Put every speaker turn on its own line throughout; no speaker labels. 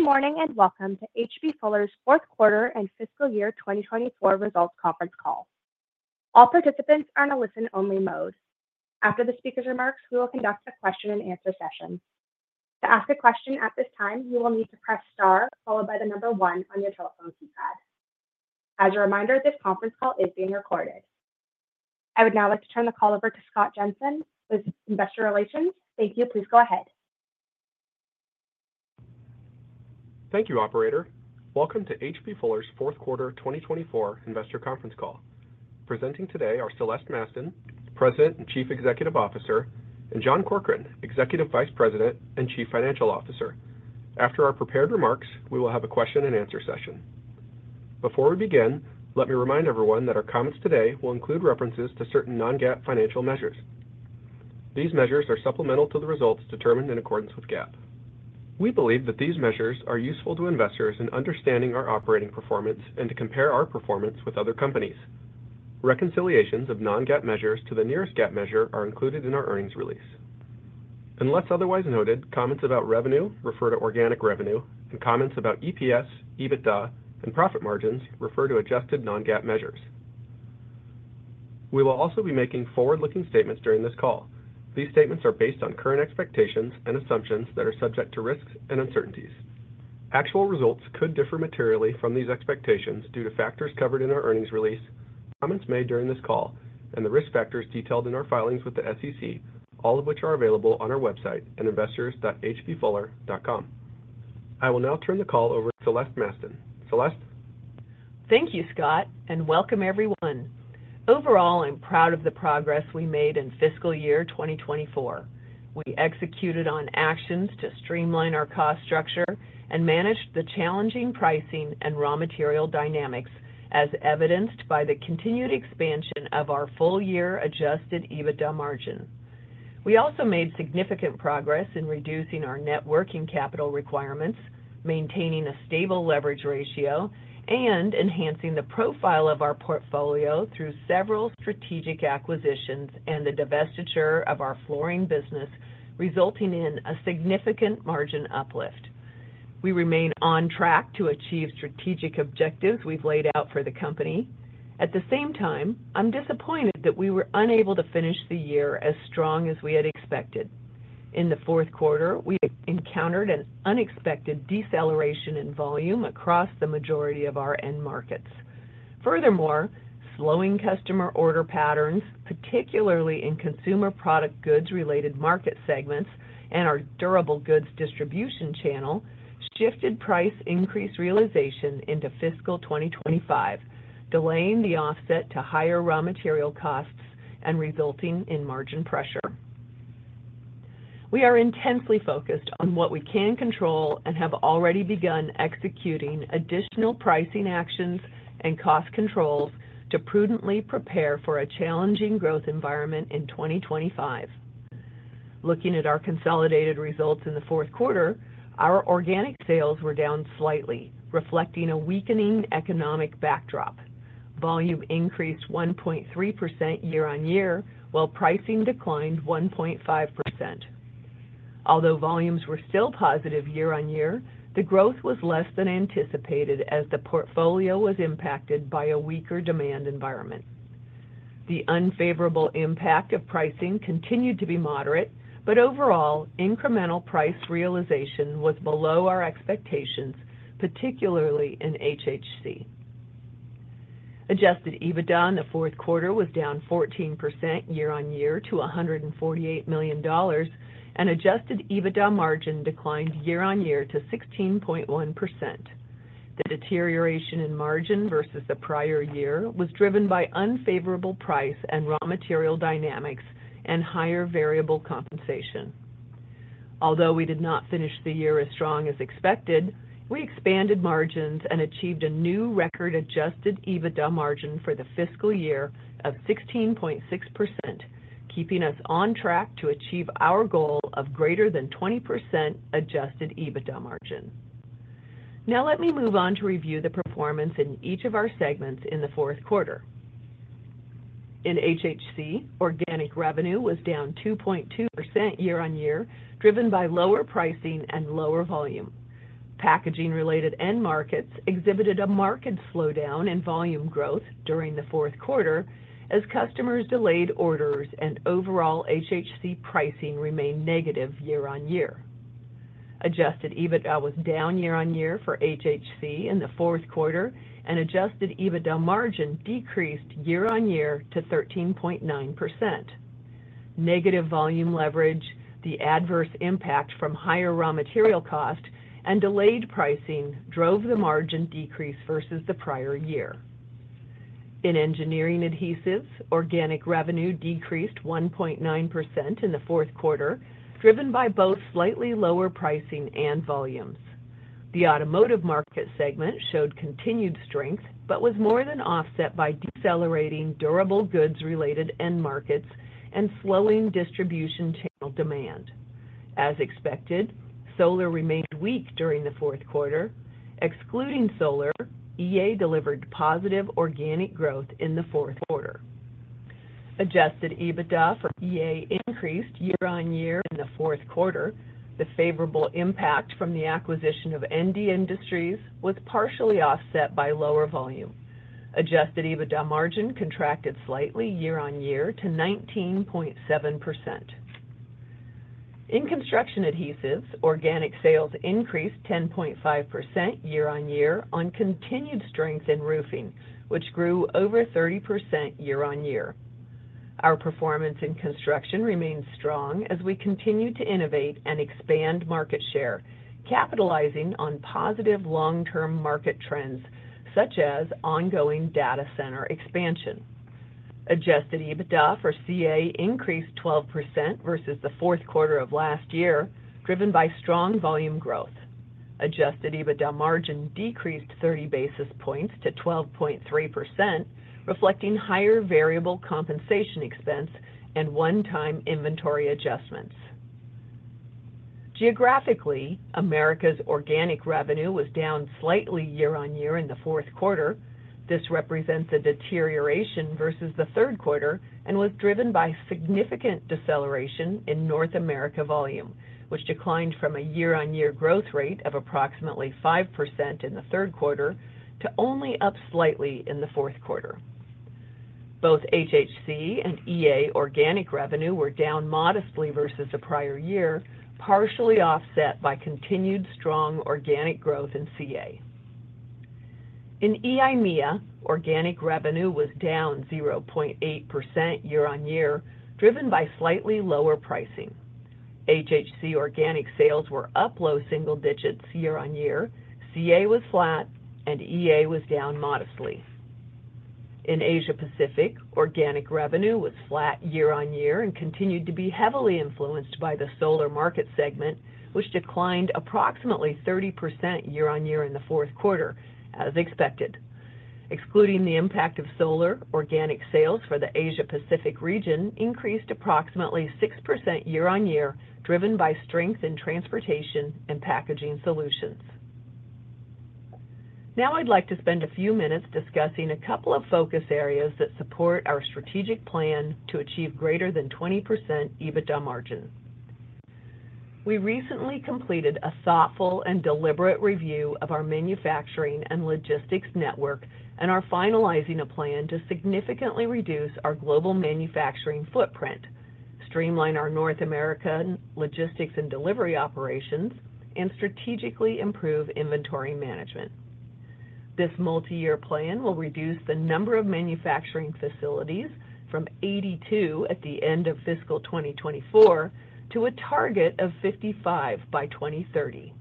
Good morning and welcome to H.B. Fuller's fourth quarter and fiscal year 2024 results conference call. All participants are in a listen-only mode. After the speaker's remarks, we will conduct a question-and-answer session. To ask a question at this time, you will need to press star followed by the number one on your telephone keypad. As a reminder, this conference call is being recorded. I would now like to turn the call over to Scott Jensen with Investor Relations. Thank you. Please go ahead.
Thank you, Operator. Welcome to H.B. Fuller's fourth quarter 2024 investor conference call. Presenting today are Celeste Mastin President and Chief Executive Officer, and John Corkrean, Executive Vice President and Chief Financial Officer. After our prepared remarks, we will have a question-and-answer session. Before we begin, let me remind everyone that our comments today will include references to certain non-GAAP financial measures. These measures are supplemental to the results determined in accordance with GAAP. We believe that these measures are useful to investors in understanding our operating performance and to compare our performance with other companies. Reconciliations of non-GAAP measures to the nearest GAAP measure are included in our earnings release. Unless otherwise noted, comments about revenue refer to organic revenue, and comments about EPS, EBITDA, and profit margins refer to adjusted non-GAAP measures. We will also be making forward-looking statements during this call. These statements are based on current expectations and assumptions that are subject to risks and uncertainties. Actual results could differ materially from these expectations due to factors covered in our earnings release, comments made during this call, and the risk factors detailed in our filings with the SEC, all of which are available on our website at investors.hbfuller.com. I will now turn the call over to Celeste Mastin. Celeste.
Thank you, Scott, and welcome everyone. Overall, I'm proud of the progress we made in fiscal year 2024. We executed on actions to streamline our cost structure and managed the challenging pricing and raw material dynamics, as evidenced by the continued expansion of our full-year Adjusted EBITDA margin. We also made significant progress in reducing our net working capital requirements, maintaining a stable leverage ratio, and enhancing the profile of our portfolio through several strategic acquisitions and the divestiture of our flooring business, resulting in a significant margin uplift. We remain on track to achieve strategic objectives we've laid out for the company. At the same time, I'm disappointed that we were unable to finish the year as strong as we had expected. In the fourth quarter, we encountered an unexpected deceleration in volume across the majority of our end markets. Furthermore, slowing customer order patterns, particularly in consumer product goods-related market segments and our durable goods distribution channel, shifted price increase realization into fiscal 2025, delaying the offset to higher raw material costs and resulting in margin pressure. We are intensely focused on what we can control and have already begun executing additional pricing actions and cost controls to prudently prepare for a challenging growth environment in 2025. Looking at our consolidated results in the fourth quarter, our organic sales were down slightly, reflecting a weakening economic backdrop. Volume increased 1.3% year-on-year, while pricing declined 1.5%. Although volumes were still positive year-on-year, the growth was less than anticipated as the portfolio was impacted by a weaker demand environment. The unfavorable impact of pricing continued to be moderate, but overall, incremental price realization was below our expectations, particularly in HHC. Adjusted EBITDA in the fourth quarter was down 14% year-on-year to $148 million, and Adjusted EBITDA margin declined year-on-year to 16.1%. The deterioration in margin versus the prior year was driven by unfavorable price and raw material dynamics and higher variable compensation. Although we did not finish the year as strong as expected, we expanded margins and achieved a new record Adjusted EBITDA margin for the fiscal year of 16.6%, keeping us on track to achieve our goal of greater than 20% Adjusted EBITDA margin. Now, let me move on to review the performance in each of our segments in the fourth quarter. In HHC, organic revenue was down 2.2% year-on-year, driven by lower pricing and lower volume. Packaging-related end markets exhibited a marked slowdown in volume growth during the fourth quarter as customers delayed orders and overall HHC pricing remained negative year-on-year. Adjusted EBITDA was down year-on-year for HHC in the fourth quarter, and Adjusted EBITDA margin decreased year-on-year to 13.9%. Negative volume leverage, the adverse impact from higher raw material cost, and delayed pricing drove the margin decrease versus the prior year. In Engineering Adhesives, organic revenue decreased 1.9% in the fourth quarter, driven by both slightly lower pricing and volumes. The Automotive market segment showed continued strength but was more than offset by decelerating durable goods-related end markets and slowing distribution channel demand. As expected, Solar remained weak during the fourth quarter. Excluding Solar, EA delivered positive organic growth in the fourth quarter. Adjusted EBITDA for EA increased year-on-year in the fourth quarter. The favorable impact from the acquisition of ND Industries was partially offset by lower volume. Adjusted EBITDA margin contracted slightly year-on-year to 19.7%. In Construction Adhesives, organic sales increased 10.5% year-on-year on continued strength in roofing, which grew over 30% year-on-year. Our performance in Construction remains strong as we continue to innovate and expand market share, capitalizing on positive long-term market trends such as ongoing data center expansion. Adjusted EBITDA for CA increased 12% versus the fourth quarter of last year, driven by strong volume growth. Adjusted EBITDA margin decreased 30 basis points to 12.3%, reflecting higher variable compensation expense and one-time inventory adjustments. Geographically, Americas organic revenue was down slightly year-on-year in the fourth quarter. This represents a deterioration versus the third quarter and was driven by significant deceleration in North America volume, which declined from a year-on-year growth rate of approximately 5% in the third quarter to only up slightly in the fourth quarter. Both HHC and EA organic revenue were down modestly versus the prior year, partially offset by continued strong organic growth in CA. In EIMEA, organic revenue was down 0.8% year-on-year, driven by slightly lower pricing. HHC organic sales were up low single digits year-on-year, CA was flat, and EA was down modestly. In Asia-Pacific, organic revenue was flat year-on-year and continued to be heavily influenced by the solar market segment, which declined approximately 30% year-on-year in the fourth quarter, as expected. Excluding the impact of Solar, organic sales for the Asia-Pacific region increased approximately 6% year-on-year, driven by strength in transportation and packaging solutions. Now, I'd like to spend a few minutes discussing a couple of focus areas that support our strategic plan to achieve greater than 20% EBITDA margin. We recently completed a thoughtful and deliberate review of our manufacturing and logistics network and are finalizing a plan to significantly reduce our global manufacturing footprint, streamline our North America logistics and delivery operations, and strategically improve inventory management. This multi-year plan will reduce the number of manufacturing facilities from 82 at the end of Fiscal 2024 to a target of 55 by 2030.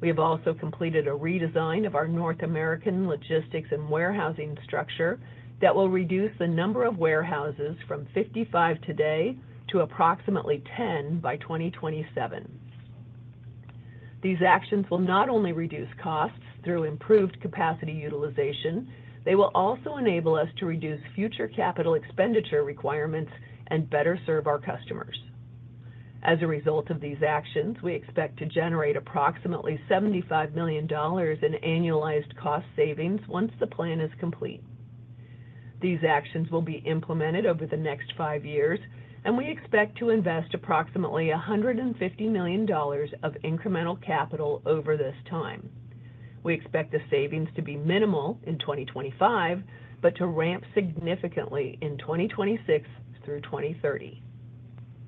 We have also completed a redesign of our North American logistics and warehousing structure that will reduce the number of warehouses from 55 today to approximately 10 by 2027. These actions will not only reduce costs through improved capacity utilization. They will also enable us to reduce future capital expenditure requirements and better serve our customers. As a result of these actions, we expect to generate approximately $75 million in annualized cost savings once the plan is complete. These actions will be implemented over the next five years, and we expect to invest approximately $150 million of incremental capital over this time. We expect the savings to be minimal in 2025 but to ramp significantly in 2026 through 2030.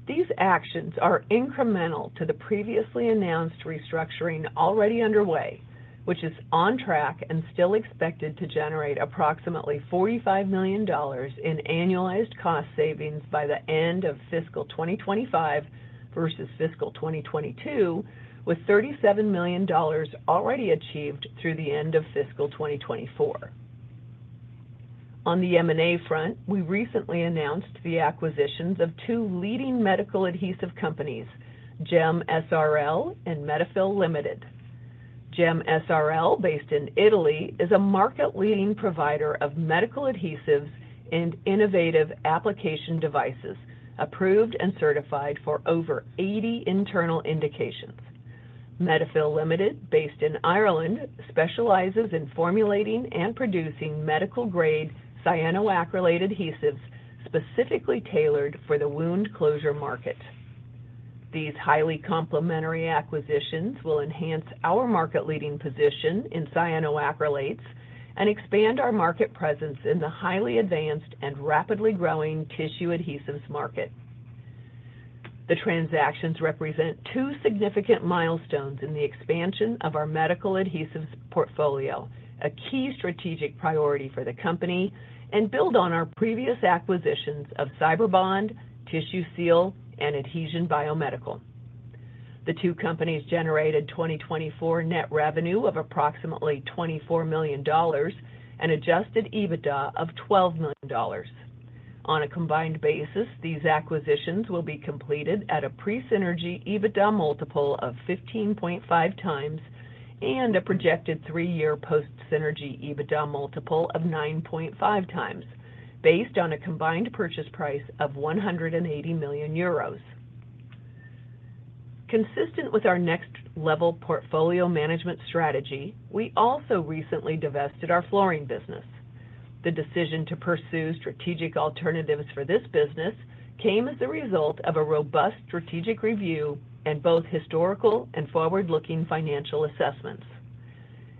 These actions are incremental to the previously announced restructuring already underway, which is on track and still expected to generate approximately $45 million in annualized cost savings by the end of fiscal 2025 versus fiscal 2022, with $37 million already achieved through the end of fiscal 2024. On the M&A front, we recently announced the acquisitions of two leading Medical Adhesive companies, GEM srl and Medi-fill Ltd. GEM srl, based in Italy, is a market-leading provider of Medical Adhesives and innovative application devices, approved and certified for over 80 internal indications. Medi-fill Ltd, based in Ireland, specializes in formulating and producing medical-grade cyanoacrylate adhesives specifically tailored for the wound closure market. These highly complementary acquisitions will enhance our market-leading position in cyanoacrylates and expand our market presence in the highly advanced and rapidly growing tissue adhesives market. The transactions represent two significant milestones in the expansion of our Medical Adhesives Portfolio, a key strategic priority for the company, and build on our previous acquisitions of Cyberbond, Tissue Seal, and Adhezion Biomedical. The two companies generated 2024 net revenue of approximately $24 million and Adjusted EBITDA of $12 million. On a combined basis, these acquisitions will be completed at a pre-synergy EBITDA multiple of 15.5x and a projected three-year post-synergy EBITDA multiple of 9.5x, based on a combined purchase price of 180 million euros. Consistent with our next-level portfolio management strategy, we also recently divested our flooring business. The decision to pursue strategic alternatives for this business came as a result of a robust strategic review and both historical and forward-looking financial assessments.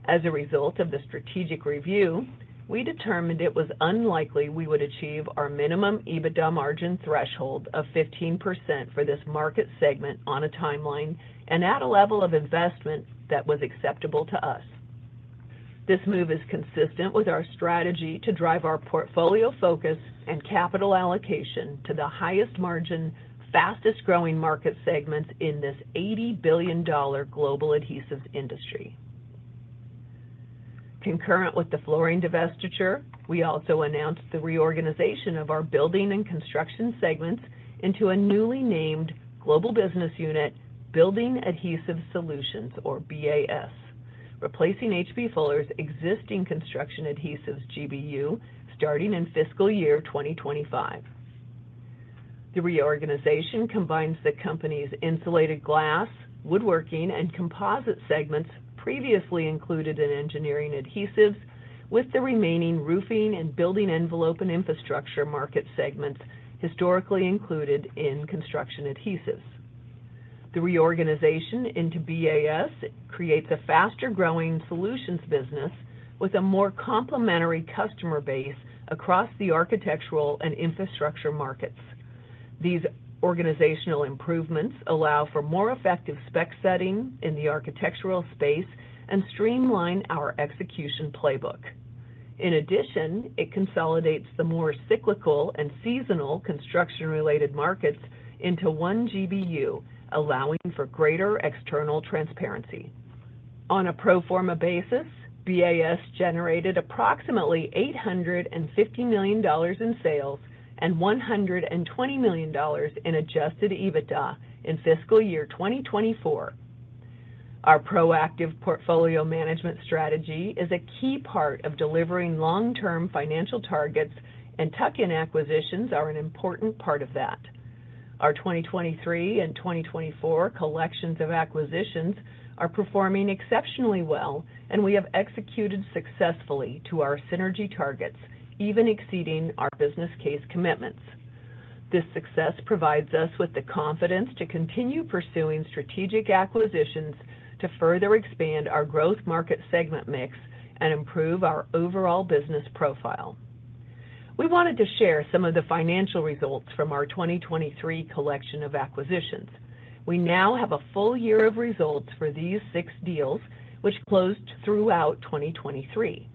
As a result of the strategic review, we determined it was unlikely we would achieve our minimum EBITDA margin threshold of 15% for this market segment on a timeline and at a level of investment that was acceptable to us. This move is consistent with our strategy to drive our portfolio focus and capital allocation to the highest margin, fastest-growing market segments in this $80 billion global adhesives industry. Concurrent with the flooring divestiture, we also announced the reorganization of our building and construction segments into a newly named global business unit, Building Adhesive Solutions, or BAS, replacing H.B. Fuller's existing Construction Adhesives GBU, starting in fiscal year 2025. The reorganization combines the company's insulated glass, woodworking, and composite segments previously included in Engineering Adhesives with the remaining roofing and building envelope and infrastructure market segments historically included in Construction Adhesives. The reorganization into BAS creates a faster-growing solutions business with a more complementary customer base across the architectural and infrastructure markets. These organizational improvements allow for more effective spec setting in the architectural space and streamline our execution playbook. In addition, it consolidates the more cyclical and seasonal construction-related markets into one GBU, allowing for greater external transparency. On a pro forma basis, BAS generated approximately $850 million in sales and $120 million in Adjusted EBITDA in fiscal year 2024. Our Proactive Portfolio Management Strategy is a key part of delivering long-term financial targets, and tuck-in acquisitions are an important part of that. Our 2023 and 2024 collections of acquisitions are performing exceptionally well, and we have executed successfully to our synergy targets, even exceeding our business case commitments. This success provides us with the confidence to continue pursuing strategic acquisitions to further expand our growth market segment mix and improve our overall business profile. We wanted to share some of the financial results from our 2023 collection of acquisitions. We now have a full year of results for these six deals, which closed throughout 2023.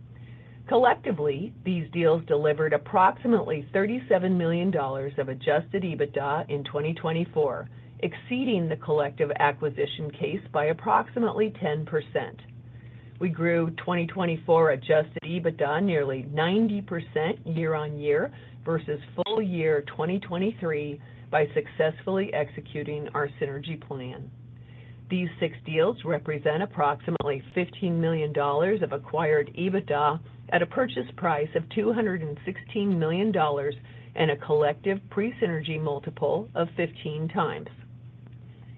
Collectively, these deals delivered approximately $37 million of Adjusted EBITDA in 2024, exceeding the collective acquisition case by approximately 10%. We grew 2024 Adjusted EBITDA nearly 90% year-on-year versus full year 2023 by successfully executing our synergy plan. These six deals represent approximately $15 million of acquired EBITDA at a purchase price of $216 million and a collective pre-synergy multiple of 15x.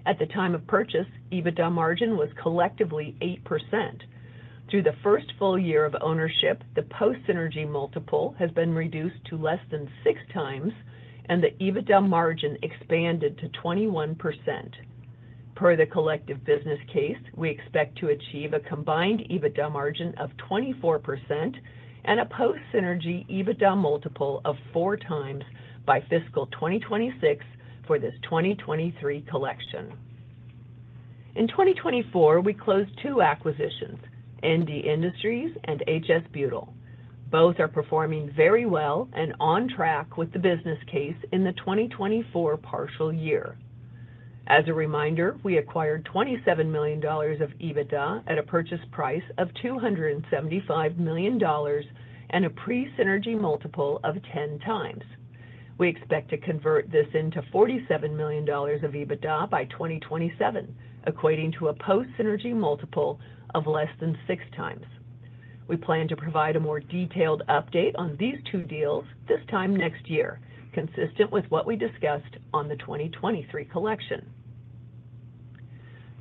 At the time of purchase, EBITDA margin was collectively 8%. Through the first full year of ownership, the post-synergy multiple has been reduced to less than 6x, and the EBITDA margin expanded to 21%. Per the collective business case, we expect to achieve a combined EBITDA margin of 24% and a post-synergy EBITDA multiple of 4x by fiscal 2026 for this 2023 collection. In 2024, we closed two acquisitions, ND Industries and HS Butyl. Both are performing very well and on track with the business case in the 2024 partial year. As a reminder, we acquired $27 million of EBITDA at a purchase price of $275 million and a pre-synergy multiple of 10x. We expect to convert this into $47 million of EBITDA by 2027, equating to a post-synergy multiple of less than 6x. We plan to provide a more detailed update on these two deals this time next year, consistent with what we discussed on the 2023 collection.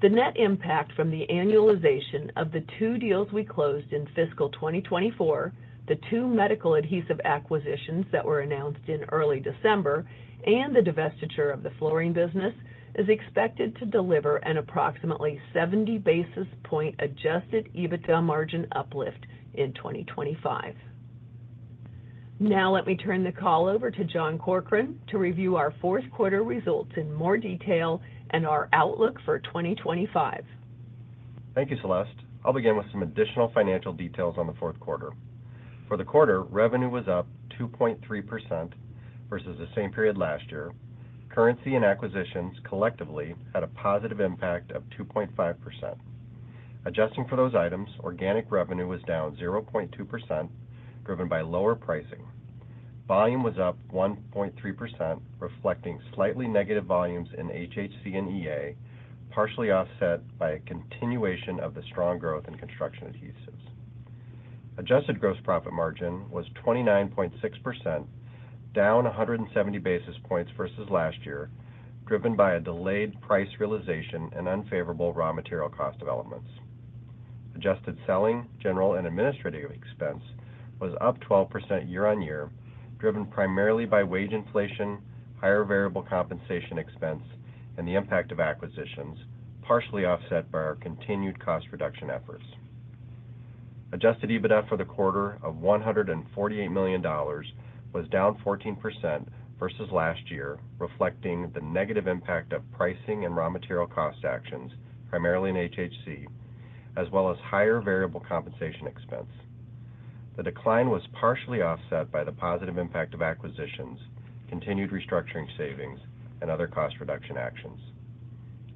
The net impact from the annualization of the two deals we closed in fiscal 2024, the two Medical Adhesive acquisitions that were announced in early December, and the divestiture of the flooring business is expected to deliver an approximately 70 basis points Adjusted EBITDA margin uplift in 2025. Now, let me turn the call over to John Corkrean to review our fourth quarter results in more detail and our outlook for 2025.
Thank you, Celeste. I'll begin with some additional financial details on the fourth quarter. For the quarter, revenue was up 2.3% versus the same period last year. Currency and acquisitions collectively had a positive impact of 2.5%. Adjusting for those items, organic revenue was down 0.2%, driven by lower pricing. Volume was up 1.3%, reflecting slightly negative volumes in HHC and EA, partially offset by a continuation of the strong growth in Construction Adhesives. Adjusted gross profit margin was 29.6%, down 170 basis points versus last year, driven by a delayed price realization and unfavorable raw material cost developments. Adjusted selling, general, and administrative expense was up 12% year-on-year, driven primarily by wage inflation, higher variable compensation expense, and the impact of acquisitions, partially offset by our continued cost reduction efforts. Adjusted EBITDA for the quarter of $148 million was down 14% versus last year, reflecting the negative impact of pricing and raw material cost actions, primarily in HHC, as well as higher variable compensation expense. The decline was partially offset by the positive impact of acquisitions, continued restructuring savings, and other cost reduction actions.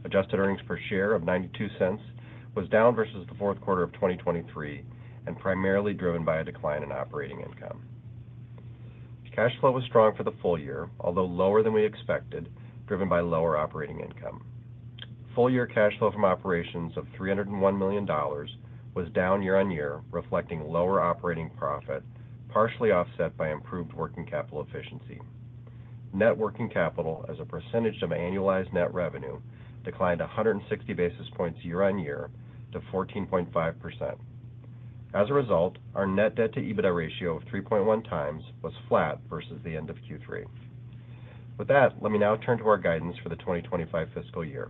Adjusted earnings per share of $0.92 was down versus the fourth quarter of 2023 and primarily driven by a decline in operating income. Cash flow was strong for the full year, although lower than we expected, driven by lower operating income. Full-year cash flow from operations of $301 million was down year-on-year, reflecting lower operating profit, partially offset by improved working capital efficiency. Net working capital as a percentage of annualized net revenue declined 160 basis points year-on-year to 14.5%. As a result, our net debt to EBITDA ratio of 3.1x was flat versus the end of Q3. With that, let me now turn to our guidance for the 2025 fiscal year.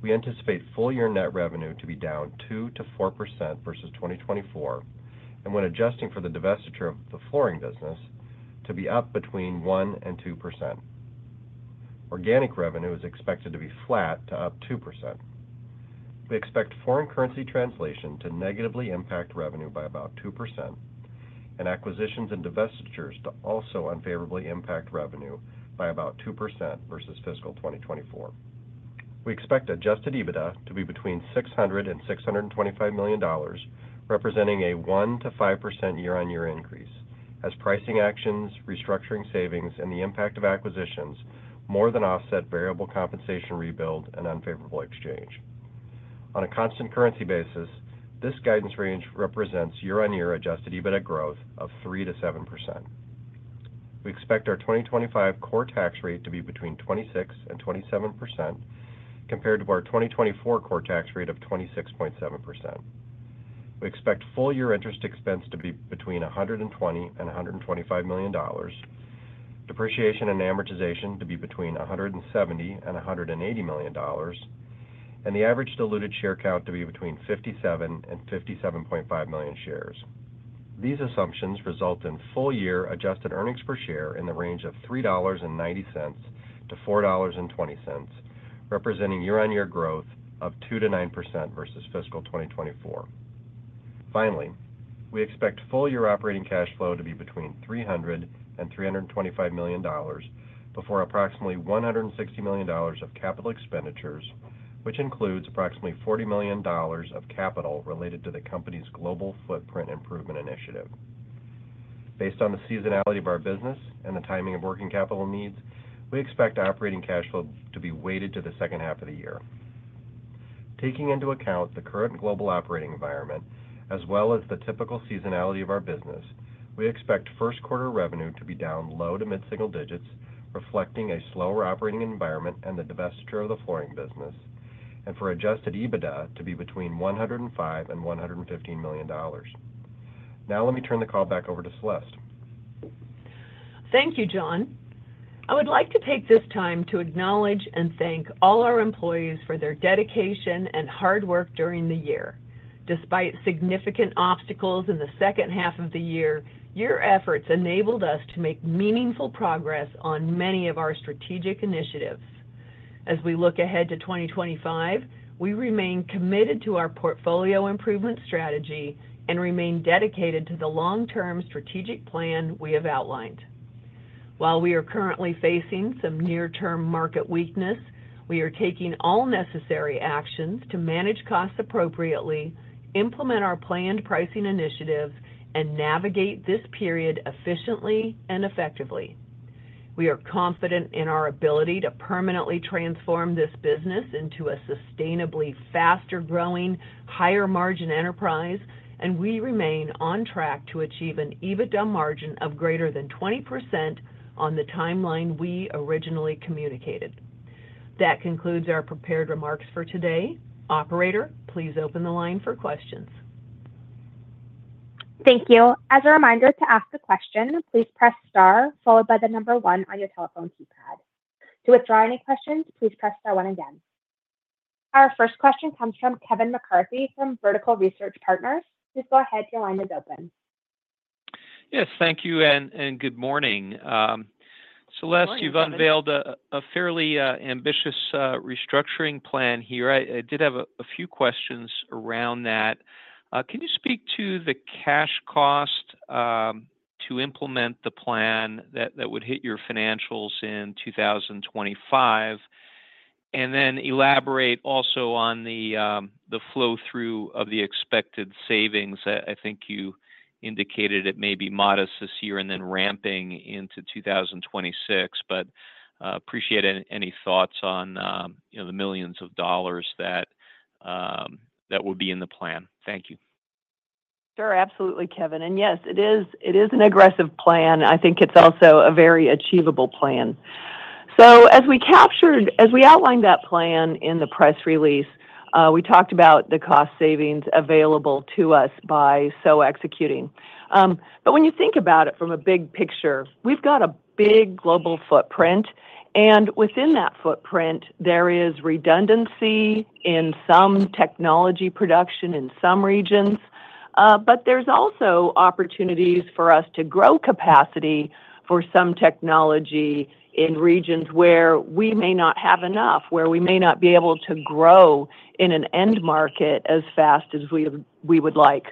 We anticipate full-year net revenue to be down 2-4% versus 2024, and when adjusting for the divestiture of the flooring business, to be up between 1% and 2%. Organic revenue is expected to be flat to up 2%. We expect foreign currency translation to negatively impact revenue by about 2%, and acquisitions and divestitures to also unfavorably impact revenue by about 2% versus fiscal 2024. We expect Adjusted EBITDA to be between $600 million and $625 million, representing a 1%-5% year-on-year increase, as pricing actions, restructuring savings, and the impact of acquisitions more than offset variable compensation rebuild and unfavorable exchange. On a constant currency basis, this guidance range represents year-on-year Adjusted EBITDA growth of 3%-7%. We expect our 2025 core tax rate to be between 26% and 27%, compared to our 2024 core tax rate of 26.7%. We expect full-year interest expense to be between $120 million and $125 million, depreciation and amortization to be between $170 million and $180 million, and the average diluted share count to be between 57 million and 57.5 million shares. These assumptions result in full-year Adjusted Earnings Per Share in the range of $3.90-$4.20, representing year-on-year growth of 2%-9% versus fiscal 2024. Finally, we expect full-year operating cash flow to be between $300 million and $325 million before approximately $160 million of capital expenditures, which includes approximately $40 million of capital related to the company's global footprint improvement initiative. Based on the seasonality of our business and the timing of working capital needs, we expect operating cash flow to be weighted to the second half of the year. Taking into account the current global operating environment, as well as the typical seasonality of our business, we expect first quarter revenue to be down low to mid-single digits, reflecting a slower operating environment and the divestiture of the flooring business, and for Adjusted EBITDA to be between $105 million and $115 million. Now, let me turn the call back over to Celeste.
Thank you, John. I would like to take this time to acknowledge and thank all our employees for their dedication and hard work during the year. Despite significant obstacles in the second half of the year, your efforts enabled us to make meaningful progress on many of our strategic initiatives. As we look ahead to 2025, we remain committed to our Portfolio Improvement Strategy and remain dedicated to the long-term strategic plan we have outlined. While we are currently facing some near-term market weakness, we are taking all necessary actions to manage costs appropriately, implement our planned pricing initiatives, and navigate this period efficiently and effectively. We are confident in our ability to permanently transform this business into a sustainably faster-growing, higher-margin enterprise, and we remain on track to achieve an EBITDA margin of greater than 20% on the timeline we originally communicated. That concludes our prepared remarks for today. Operator, please open the line for questions.
Thank you. As a reminder to ask a question, please press star, followed by the number one on your telephone keypad. To withdraw any questions, please press star one again. Our first question comes from Kevin McCarthy from Vertical Research Partners. Please go ahead. Your line is open.
Yes, thank you and good morning. Celeste, you've unveiled a fairly ambitious restructuring plan here. I did have a few questions around that. Can you speak to the cash cost to implement the plan that would hit your financials in 2025, and then elaborate also on the flow-through of the expected savings? I think you indicated it may be modest this year and then ramping into 2026, but appreciate any thoughts on the millions of dollars that would be in the plan. Thank you.
Sure, absolutely, Kevin. And yes, it is an aggressive plan. I think it's also a very achievable plan. So as we outlined that plan in the press release, we talked about the cost savings available to us by so executing. But when you think about it from a big picture, we've got a big global footprint, and within that footprint, there is redundancy in some technology production in some regions, but there's also opportunities for us to grow capacity for some technology in regions where we may not have enough, where we may not be able to grow in an end market as fast as we would like.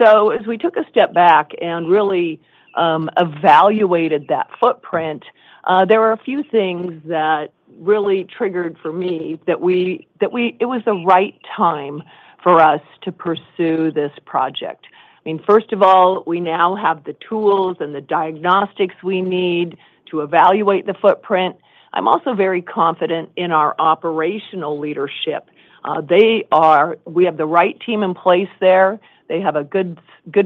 So as we took a step back and really evaluated that footprint, there were a few things that really triggered for me that it was the right time for us to pursue this project. I mean, first of all, we now have the tools and the diagnostics we need to evaluate the footprint. I'm also very confident in our operational leadership. We have the right team in place there. They have good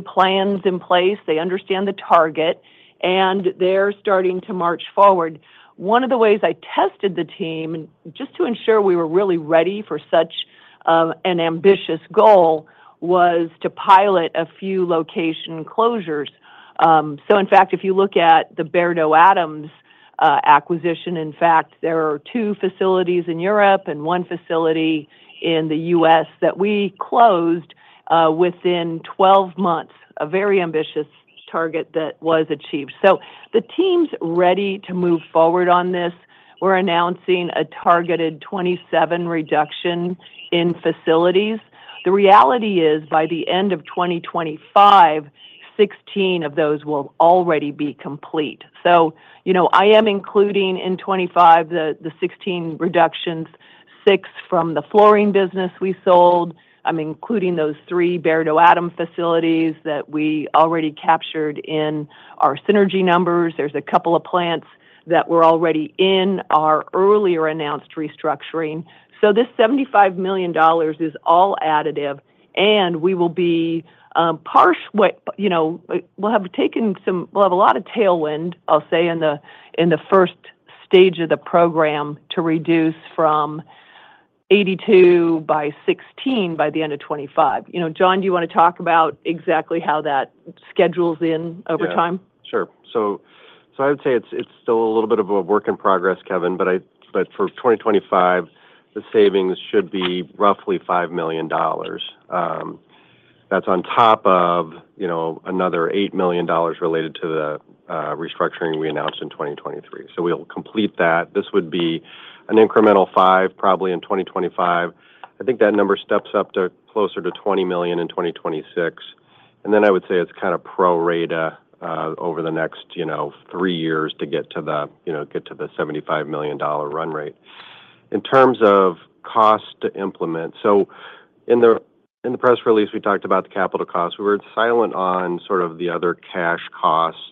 plans in place. They understand the target, and they're starting to march forward. One of the ways I tested the team, just to ensure we were really ready for such an ambitious goal, was to pilot a few location closures. So in fact, if you look at the Beardow Adams acquisition, in fact, there are two facilities in Europe and one facility in the U.S. that we closed within 12 months, a very ambitious target that was achieved. So the team's ready to move forward on this. We're announcing a targeted 27 reduction in facilities. The reality is, by the end of 2025, 16 of those will already be complete. So I am including in 2025 the 16 reductions, six from the flooring business we sold. I'm including those three Beardow Adams facilities that we already captured in our synergy numbers. There's a couple of plants that were already in our earlier announced restructuring. So this $75 million is all additive, and we will be partially—we'll have taken some—we'll have a lot of tailwind, I'll say, in the first stage of the program to reduce from 82 by 16 by the end of 2025. John, do you want to talk about exactly how that schedules in over time?
Sure. So I would say it's still a little bit of a work in progress, Kevin, but for 2025, the savings should be roughly $5 million. That's on top of another $8 million related to the restructuring we announced in 2023. So we'll complete that. This would be an incremental 5 probably in 2025. I think that number steps up to closer to $20 million in 2026. And then I would say it's kind of pro rata over the next three years to get to the $75 million run rate. In terms of cost to implement, so in the press release, we talked about the capital costs. We were silent on sort of the other cash costs.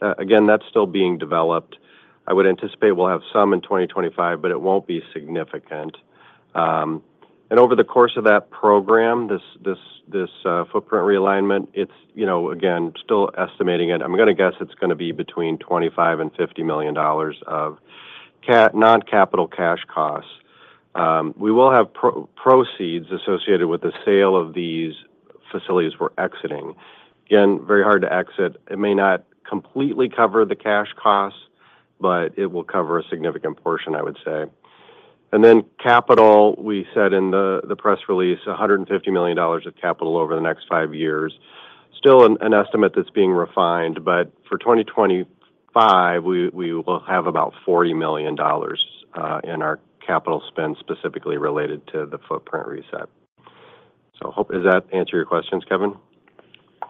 Again, that's still being developed. I would anticipate we'll have some in 2025, but it won't be significant. And over the course of that program, this footprint realignment, it's, again, still estimating it. I'm going to guess it's going to be between $25 million and $50 million of non-capital cash costs. We will have proceeds associated with the sale of these facilities we're exiting. Again, very hard to exit. It may not completely cover the cash costs, but it will cover a significant portion, I would say. And then capital, we said in the press release, $150 million of capital over the next five years. Still an estimate that's being refined, but for 2025, we will have about $40 million in our capital spend specifically related to the footprint reset. So does that answer your questions, Kevin?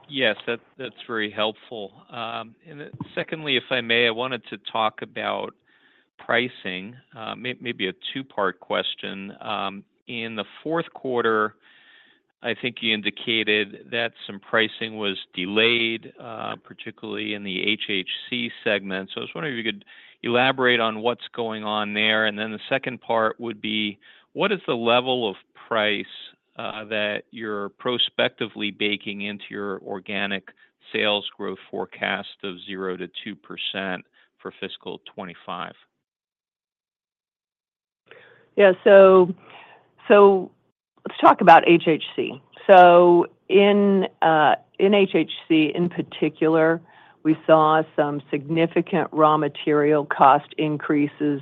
Yes, that's very helpful. And secondly, if I may, I wanted to talk about pricing. Maybe a two-part question. In the fourth quarter, I think you indicated that some pricing was delayed, particularly in the HHC segment. So I was wondering if you could elaborate on what's going on there. And then the second part would be, what is the level of price that you're prospectively baking into your organic sales growth forecast of 0%-2% for fiscal 2025?
Yeah. So let's talk about HHC. So in HHC in particular, we saw some significant raw material cost increases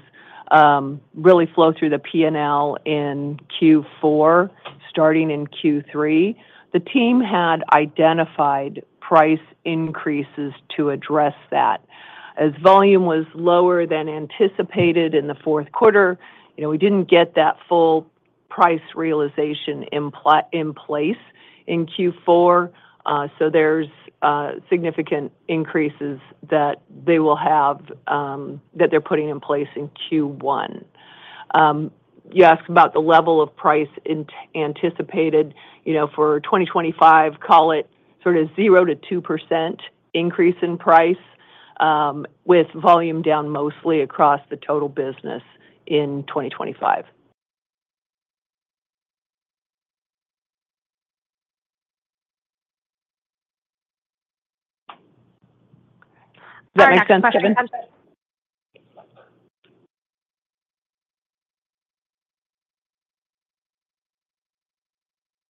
really flow through the P&L in Q4, starting in Q3. The team had identified price increases to address that. As volume was lower than anticipated in the fourth quarter, we didn't get that full price realization in place in Q4. So there's significant increases that they will have that they're putting in place in Q1. You asked about the level of price anticipated for 2025, call it sort of 0%-2% increase in price with volume down mostly across the total business in 2025. Does that make sense, Kevin?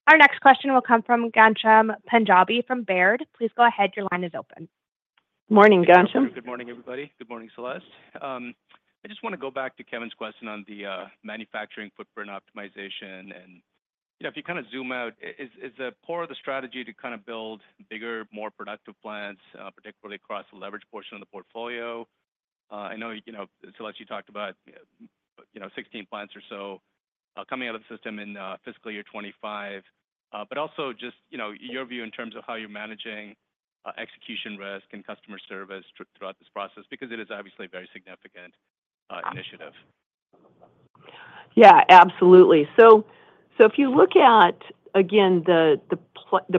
Our next question will come from Ghansham Panjabi from Baird. Please go ahead. Your line is open.
Good morning, Ghansham.
Good morning, everybody. Good morning, Celeste. I just want to go back to Kevin's question on the manufacturing footprint optimization. And if you kind of zoom out, is the core of the strategy to kind of build bigger, more productive plants, particularly across the leverage portion of the portfolio? I know, Celeste, you talked about 16 plants or so coming out of the system in fiscal year 2025, but also just your view in terms of how you're managing execution risk and customer service throughout this process because it is obviously a very significant initiative.
Yeah, absolutely. So if you look at, again, the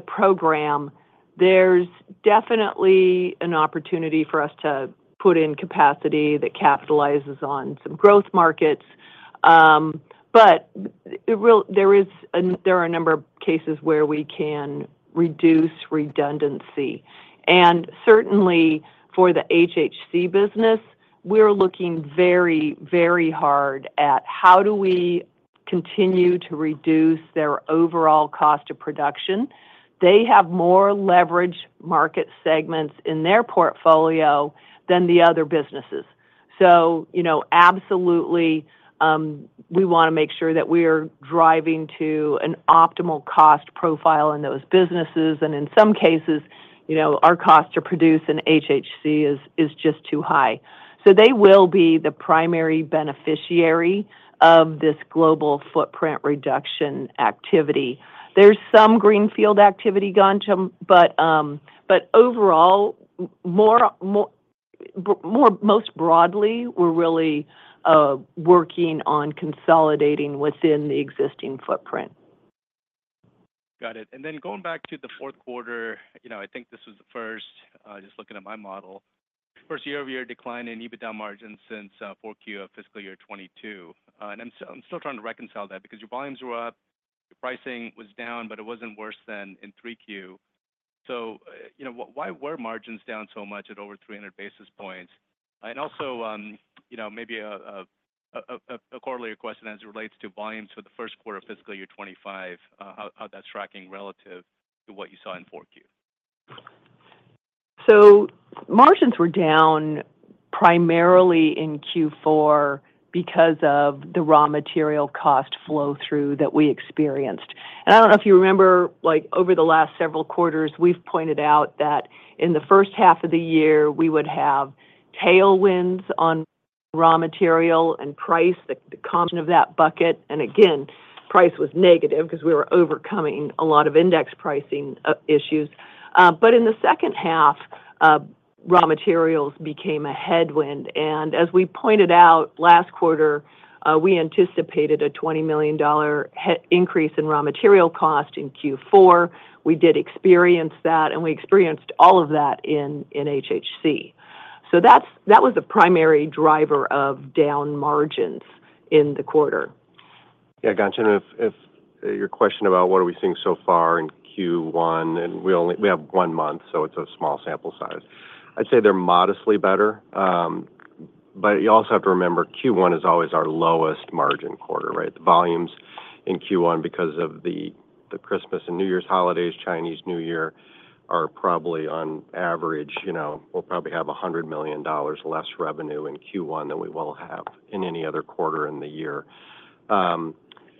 program, there's definitely an opportunity for us to put in capacity that capitalizes on some growth markets. But there are a number of cases where we can reduce redundancy. And certainly, for the HHC business, we're looking very, very hard at how do we continue to reduce their overall cost of production. They have more leverage market segments in their portfolio than the other businesses. So absolutely, we want to make sure that we are driving to an optimal cost profile in those businesses. And in some cases, our cost to produce in HHC is just too high. So they will be the primary beneficiary of this global footprint reduction activity. There's some greenfield activity, Ghansham, but overall, most broadly, we're really working on consolidating within the existing footprint.
Got it. And then going back to the fourth quarter, I think this was the first, just looking at my model, first year-over-year decline in EBITDA margins since 4Q of fiscal year 2022. And I'm still trying to reconcile that because your volumes were up, your pricing was down, but it wasn't worse than in 3Q. So why were margins down so much at over 300 basis points? And also maybe a corollary question as it relates to volumes for the first quarter of fiscal year 2025, how that's tracking relative to what you saw in 4Q.
So margins were down primarily in Q4 because of the raw material cost flow-through that we experienced. And I don't know if you remember, over the last several quarters, we've pointed out that in the first half of the year, we would have tailwinds on raw material and price, the combination of that bucket. And again, price was negative because we were overcoming a lot of index pricing issues. But in the second half, raw materials became a headwind. And as we pointed out last quarter, we anticipated a $20 million increase in raw material cost in Q4. We did experience that, and we experienced all of that in HHC. So that was the primary driver of down margins in the quarter.
Yeah, Ghansham, if your question about what are we seeing so far in Q1, and we have one month, so it's a small sample size, I'd say they're modestly better. But you also have to remember Q1 is always our lowest margin quarter, right? The volumes in Q1, because of the Christmas and New Year's holidays, Chinese New Year, are probably on average, we'll probably have $100 million less revenue in Q1 than we will have in any other quarter in the year.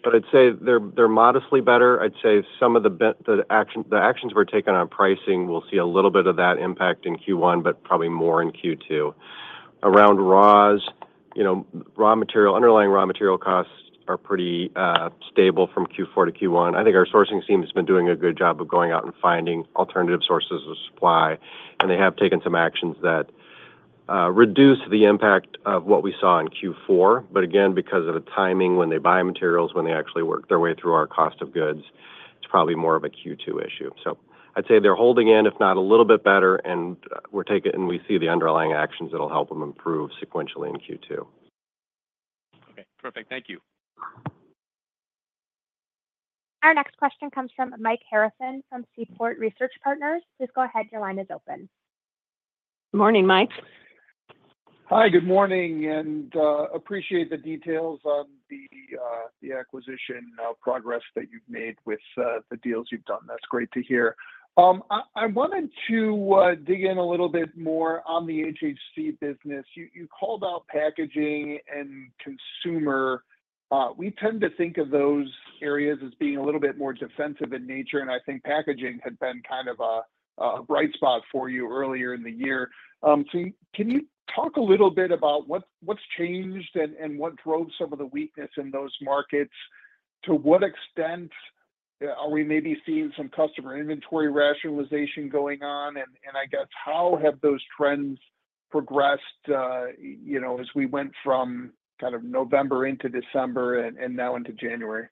But I'd say they're modestly better. I'd say some of the actions we're taking on pricing, we'll see a little bit of that impact in Q1, but probably more in Q2. Around raws, underlying raw material costs are pretty stable from Q4 to Q1. I think our sourcing team has been doing a good job of going out and finding alternative sources of supply, and they have taken some actions that reduce the impact of what we saw in Q4. But again, because of the timing when they buy materials, when they actually work their way through our cost of goods, it's probably more of a Q2 issue. So I'd say they're holding in, if not a little bit better, and we see the underlying actions that'll help them improve sequentially in Q2.
Okay. Perfect. Thank you.
Our next question comes from Mike Harrison from Seaport Research Partners. Please go ahead. Your line is open.
Good morning, Mike.
Hi, good morning, and appreciate the details on the acquisition progress that you've made with the deals you've done. That's great to hear. I wanted to dig in a little bit more on the HHC business. You called out packaging and consumer. We tend to think of those areas as being a little bit more defensive in nature. And I think packaging had been kind of a bright spot for you earlier in the year. So can you talk a little bit about what's changed and what drove some of the weakness in those markets? To what extent are we maybe seeing some customer inventory rationalization going on? And I guess, how have those trends progressed as we went from kind of November into December and now into January?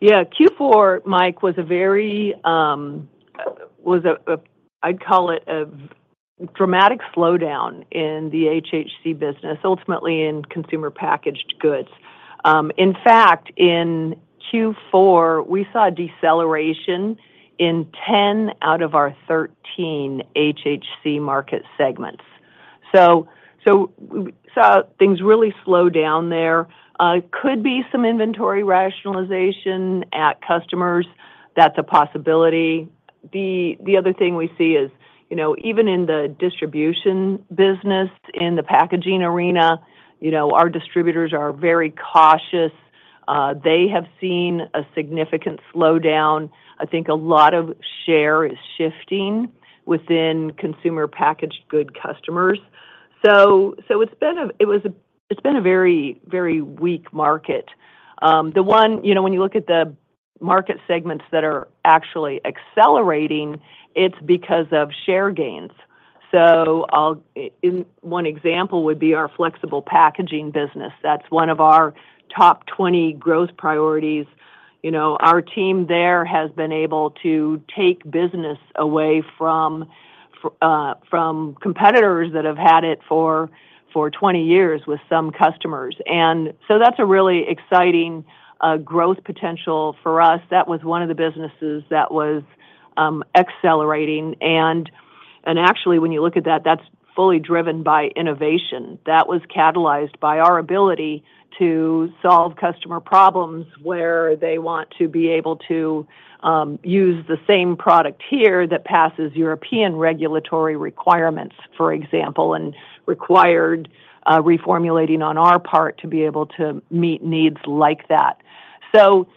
Yeah. Q4, Mike, was a very, I'd call it a dramatic slowdown in the HHC business, ultimately in Consumer Packaged Goods. In fact, in Q4, we saw deceleration in 10 out of our 13 HHC market segments. So we saw things really slow down there. Could be some inventory rationalization at customers. That's a possibility. The other thing we see is even in the Distribution business, in the packaging arena, our distributors are very cautious. They have seen a significant slowdown. I think a lot of share is shifting within Consumer Packaged Goods customers. So it's been a very, very weak market. The one, when you look at the market segments that are actually accelerating, it's because of share gains. So one example would be our Flexible Packaging business. That's one of our top 20 growth priorities. Our team there has been able to take business away from competitors that have had it for 20 years with some customers. And so that's a really exciting growth potential for us. That was one of the businesses that was accelerating. And actually, when you look at that, that's fully driven by innovation. That was catalyzed by our ability to solve customer problems where they want to be able to use the same product here that passes European regulatory requirements, for example, and required reformulating on our part to be able to meet needs like that. So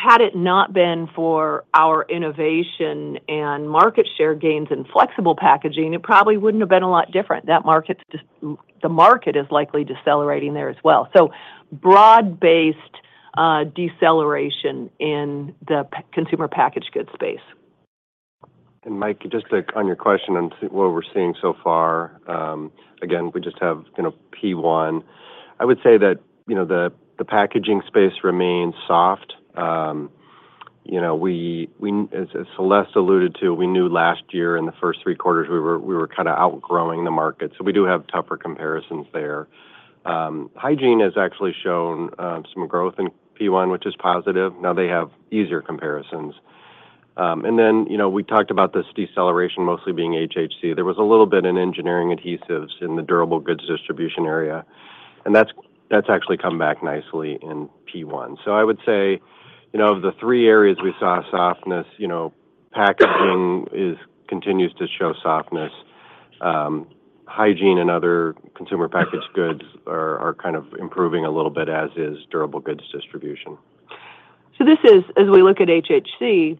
had it not been for our innovation and market share gains in Flexible Packaging, it probably wouldn't have been a lot different. The market is likely decelerating there as well. So broad-based deceleration in the Consumer Packaged Goods space.
And Mike, just on your question and what we're seeing so far, again, we just have P1. I would say that the packaging space remains soft. As Celeste alluded to, we knew last year in the first three quarters, we were kind of outgrowing the market. So we do have tougher comparisons there. Hygiene has actually shown some growth in P1, which is positive. Now they have easier comparisons, and then we talked about this deceleration mostly being HHC. There was a little bit in Engineering Adhesives in the durable goods distribution area, and that's actually come back nicely in Q1, so I would say of the three areas we saw softness. Packaging continues to show softness. Hygiene and other Consumer Packaged Goods are kind of improving a little bit, as is durable goods distribution.
So this is, as we look at HHC,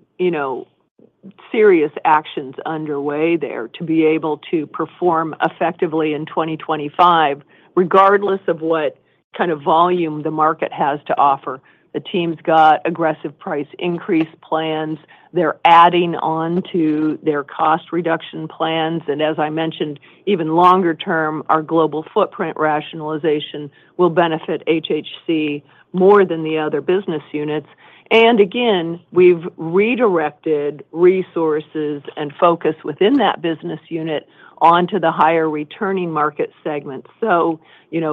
serious actions underway there to be able to perform effectively in 2025, regardless of what kind of volume the market has to offer. The team's got aggressive price increase plans. They're adding on to their cost reduction plans, and as I mentioned, even longer term, our global footprint rationalization will benefit HHC more than the other business units. Again, we've redirected resources and focus within that business unit onto the higher returning market segments, so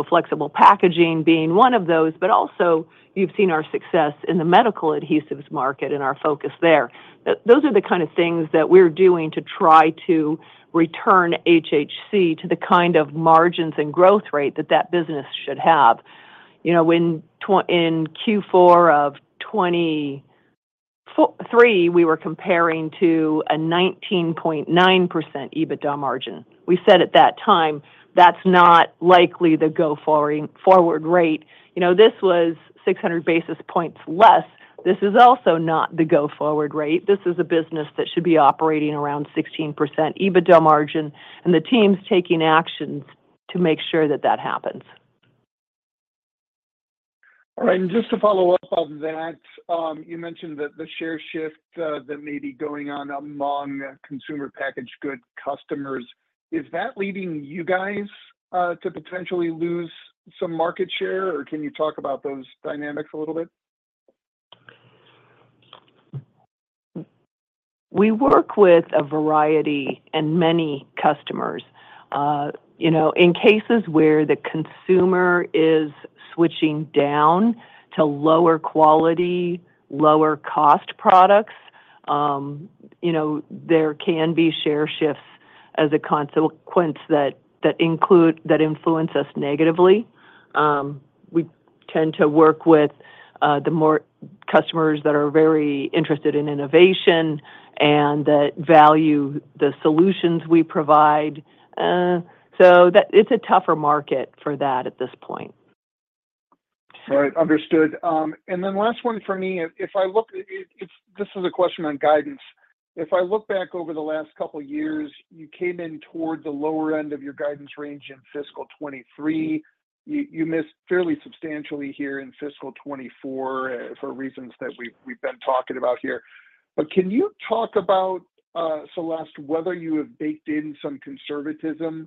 Flexible Packaging being one of those, but also you've seen our success in the Medical Adhesives market and our focus there. Those are the kind of things that we're doing to try to return HHC to the kind of margins and growth rate that that business should have. In Q4 of 2023, we were comparing to a 19.9% EBITDA margin. We said at that time, that's not likely the go-forward rate. This was 600 basis points less. This is also not the go-forward rate. This is a business that should be operating around 16% EBITDA margin, and the team's taking actions to make sure that that happens.
All right. And just to follow up on that, you mentioned that the share shift that may be going on among Consumer Packaged Goods customers. Is that leading you guys to potentially lose some market share or can you talk about those dynamics a little bit?
We work with a variety and many customers. In cases where the consumer is switching down to lower quality, lower cost products, there can be share shifts as a consequence that influence us negatively. We tend to work with the customers that are very interested in innovation and that value the solutions we provide. So it's a tougher market for that at this point.
All right. Understood. And then last one for me, if I look, this is a question on guidance. If I look back over the last couple of years, you came in toward the lower end of your guidance range in fiscal 2023. You missed fairly substantially here in fiscal 2024 for reasons that we've been talking about here, but can you talk about, Celeste, whether you have baked in some conservatism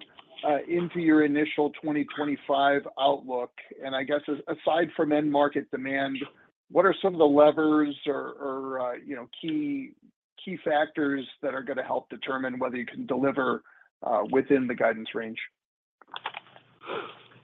into your initial 2025 outlook, and I guess, aside from end market demand, what are some of the levers or key factors that are going to help determine whether you can deliver within the guidance range?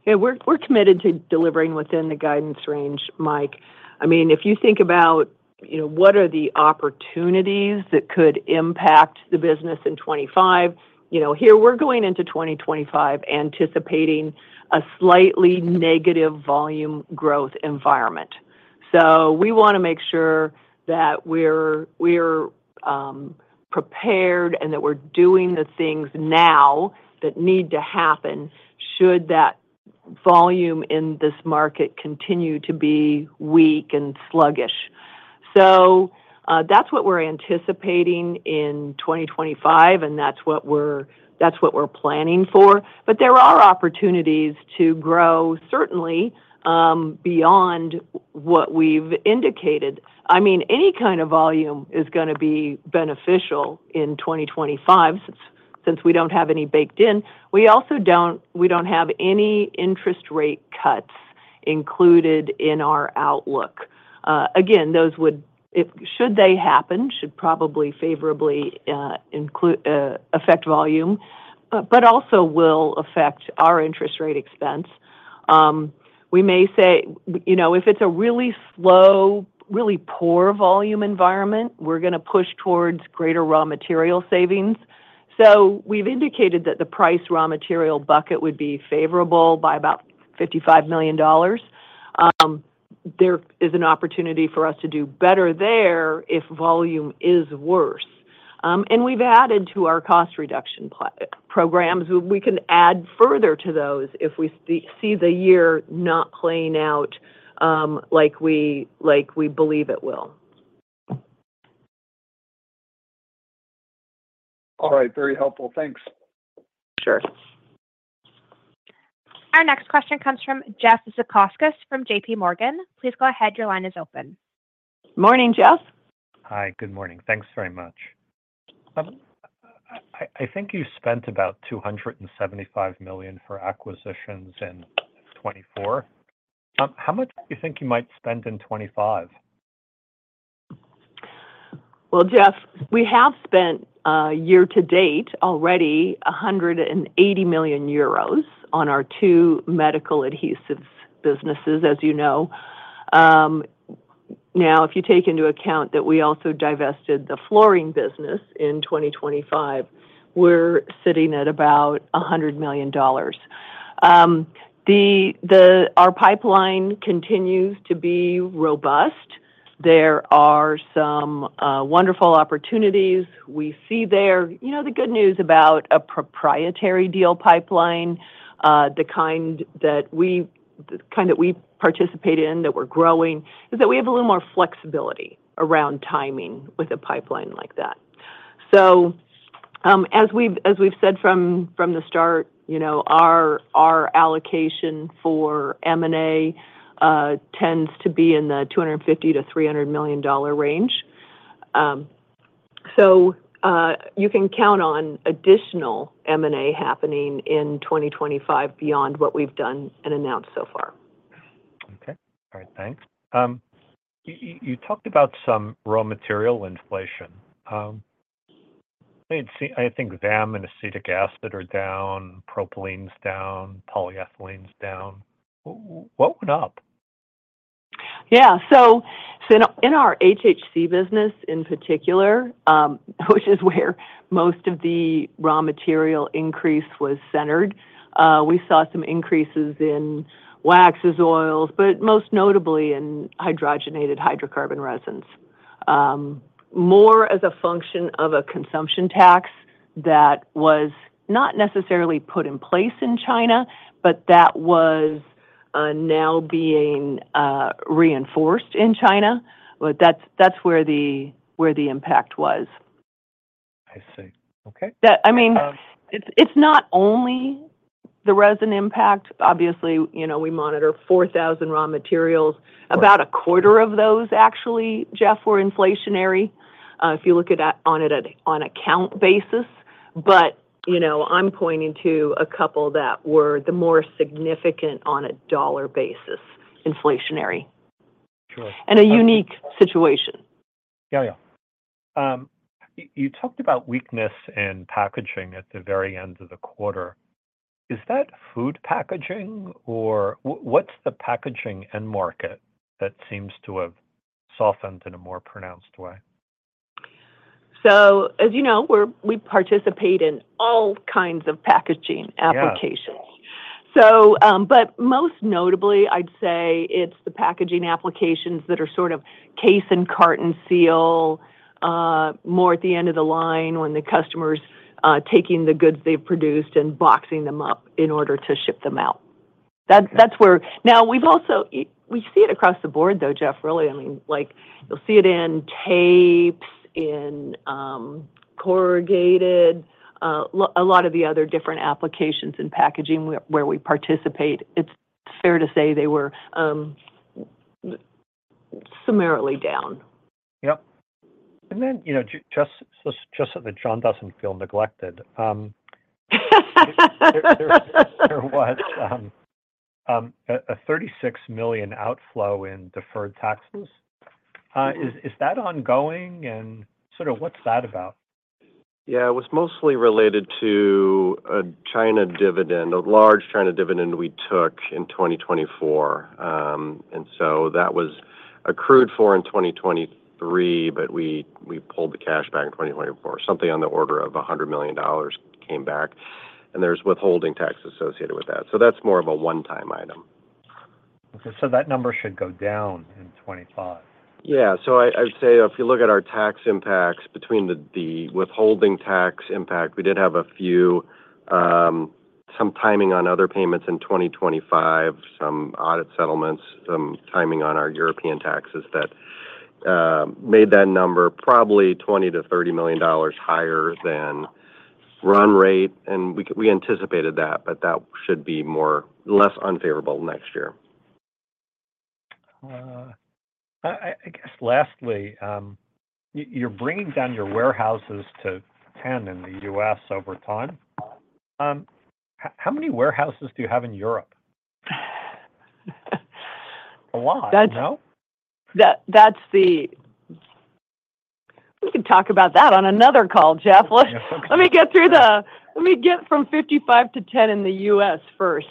Yeah. We're committed to delivering within the guidance range, Mike. I mean, if you think about what are the opportunities that could impact the business in 2025, here we're going into 2025 anticipating a slightly negative volume growth environment, so we want to make sure that we're prepared and that we're doing the things now that need to happen should that volume in this market continue to be weak and sluggish, so that's what we're anticipating in 2025, and that's what we're planning for. But there are opportunities to grow, certainly, beyond what we've indicated. I mean, any kind of volume is going to be beneficial in 2025 since we don't have any baked in. We also don't have any interest rate cuts included in our outlook. Again, should they happen, should probably favorably affect volume, but also will affect our interest rate expense. We may say if it's a really slow, really poor volume environment, we're going to push towards greater raw material savings. So we've indicated that the price raw material bucket would be favorable by about $55 million. There is an opportunity for us to do better there if volume is worse. And we've added to our cost reduction programs. We can add further to those if we see the year not playing out like we believe it will.
All right. Very helpful. Thanks.
Sure.
Our next question comes from Jeff Zekauskas from JPMorgan. Please go ahead. Your line is open.
Morning, Jeff.
Hi. Good morning. Thanks very much. I think you spent about $275 million for acquisitions in 2024. How much do you think you might spend in 2025?
Well, Jeff, we have spent year to date already 180 million euros on our two Medical Adhesives businesses, as you know. Now, if you take into account that we also divested the Flooring business in 2025, we're sitting at about $100 million. Our pipeline continues to be robust. There are some wonderful opportunities we see there. The good news about a proprietary deal pipeline, the kind that we participate in that we're growing, is that we have a little more flexibility around timing with a pipeline like that. As we've said from the start, our allocation for M&A tends to be in the $250 million-$300 million range. So you can count on additional M&A happening in 2025 beyond what we've done and announced so far.
Okay. All right. Thanks. You talked about some raw material inflation. I think VAM and acetic acid are down, propylene's down, polyethylene's down. What went up?
Yeah. So in our HHC business in particular, which is where most of the raw material increase was centered, we saw some increases in waxes oils, but most notably in hydrogenated hydrocarbon resins. More as a function of a consumption tax that was not necessarily put in place in China, but that was now being reinforced in China. That's where the impact was.
I see. Okay.
I mean, it's not only the resin impact. Obviously, we monitor 4,000 raw materials. About a quarter of those, actually, Jeff, were inflationary if you look at it on a count basis. But I'm pointing to a couple that were the more significant on a dollar basis, inflationary, and a unique situation.
Yeah. Yeah. You talked about weakness in packaging at the very end of the quarter. Is that food packaging or what's the packaging end market that seems to have softened in a more pronounced way?
So as you know, we participate in all kinds of packaging applications. But most notably, I'd say it's the packaging applications that are sort of case and carton seal, more at the end of the line when the customer's taking the goods they've produced and boxing them up in order to ship them out. Now, we see it across the Board, though, Jeff, really. I mean, you'll see it in tapes, in corrugated, a lot of the other different applications in packaging where we participate. It's fair to say they were summarily down.
Yep. And then just so that John doesn't feel neglected, there was a $36 million outflow in deferred taxes. Is that ongoing? And sort of what's that about?
Yeah. It was mostly related to a China dividend, a large China dividend we took in 2024. And so that was accrued for in 2023, but we pulled the cash back in 2024. Something on the order of $100 million came back. And there's withholding tax associated with that. So that's more of a one-time item.
Okay. So that number should go down in 2025?
Yeah. So I'd say if you look at our tax impacts between the withholding tax impact, we did have some timing on other payments in 2025, some audit settlements, some timing on our European taxes that made that number probably $20 million-$30 million higher than run rate. And we anticipated that, but that should be less unfavorable next year.
I guess lastly, you're bringing down your warehouses to 10 in the U.S. over time. How many warehouses do you have in Europe? A lot. No?
We can talk about that on another call, Jeff. Let me get through. Let me get from 55 to 10 in the U.S. first.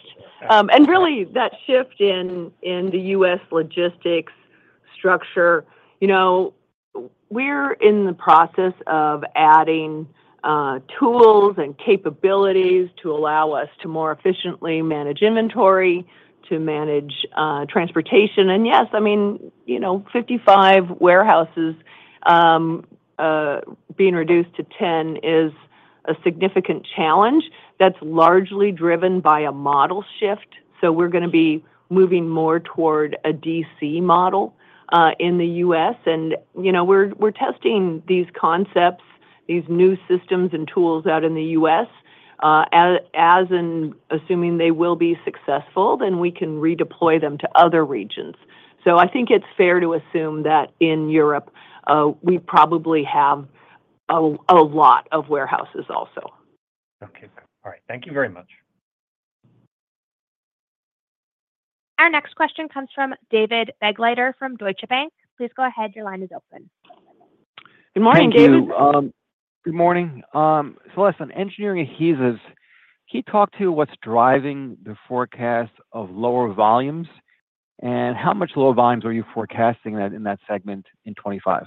And really, that shift in the U.S. logistics structure, we're in the process of adding tools and capabilities to allow us to more efficiently manage inventory, to manage transportation. And yes, I mean, 55 warehouses being reduced to 10 is a significant challenge. That's largely driven by a model shift. So we're going to be moving more toward a DC model in the U.S. And we're testing these concepts, these new systems and tools out in the U.S. And assuming they will be successful, then we can redeploy them to other regions. So I think it's fair to assume that in Europe, we probably have a lot of warehouses also.
Okay. All right. Thank you very much.
Our next question comes from David Begleiter from Deutsche Bank. Please go ahead. Your line is open.
Good morning, David.
Good morning. Celeste, on Engineering Adhesives, can you talk to what's driving the forecast of lower volumes? And how much lower volumes are you forecasting in that segment in 2025?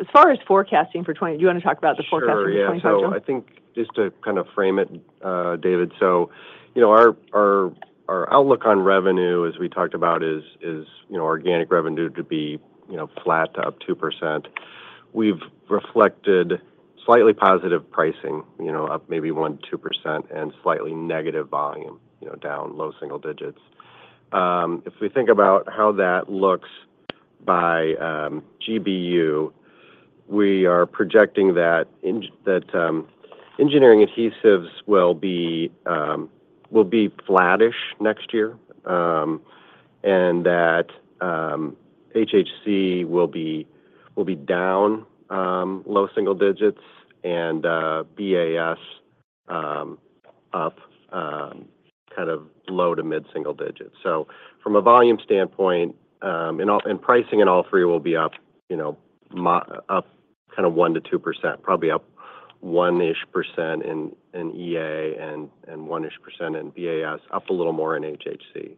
As far as forecasting for 2020, do you want to talk about the forecast for 2025, John?
Sure. Yeah. So I think just to kind of frame it, David, so our outlook on revenue, as we talked about, is organic revenue to be flat to up 2%. We've reflected slightly positive pricing up maybe 1%-2% and slightly negative volume down, low single digits. If we think about how that looks by GBU, we are projecting that Engineering Adhesives will be flattish next year and that HHC will be down low single digits and BAS up kind of low to mid single digits. So from a volume standpoint, and pricing in all three will be up kind of 1%-2%, probably up 1%-ish in EA and 1%-ish in BAS, up a little more in HHC.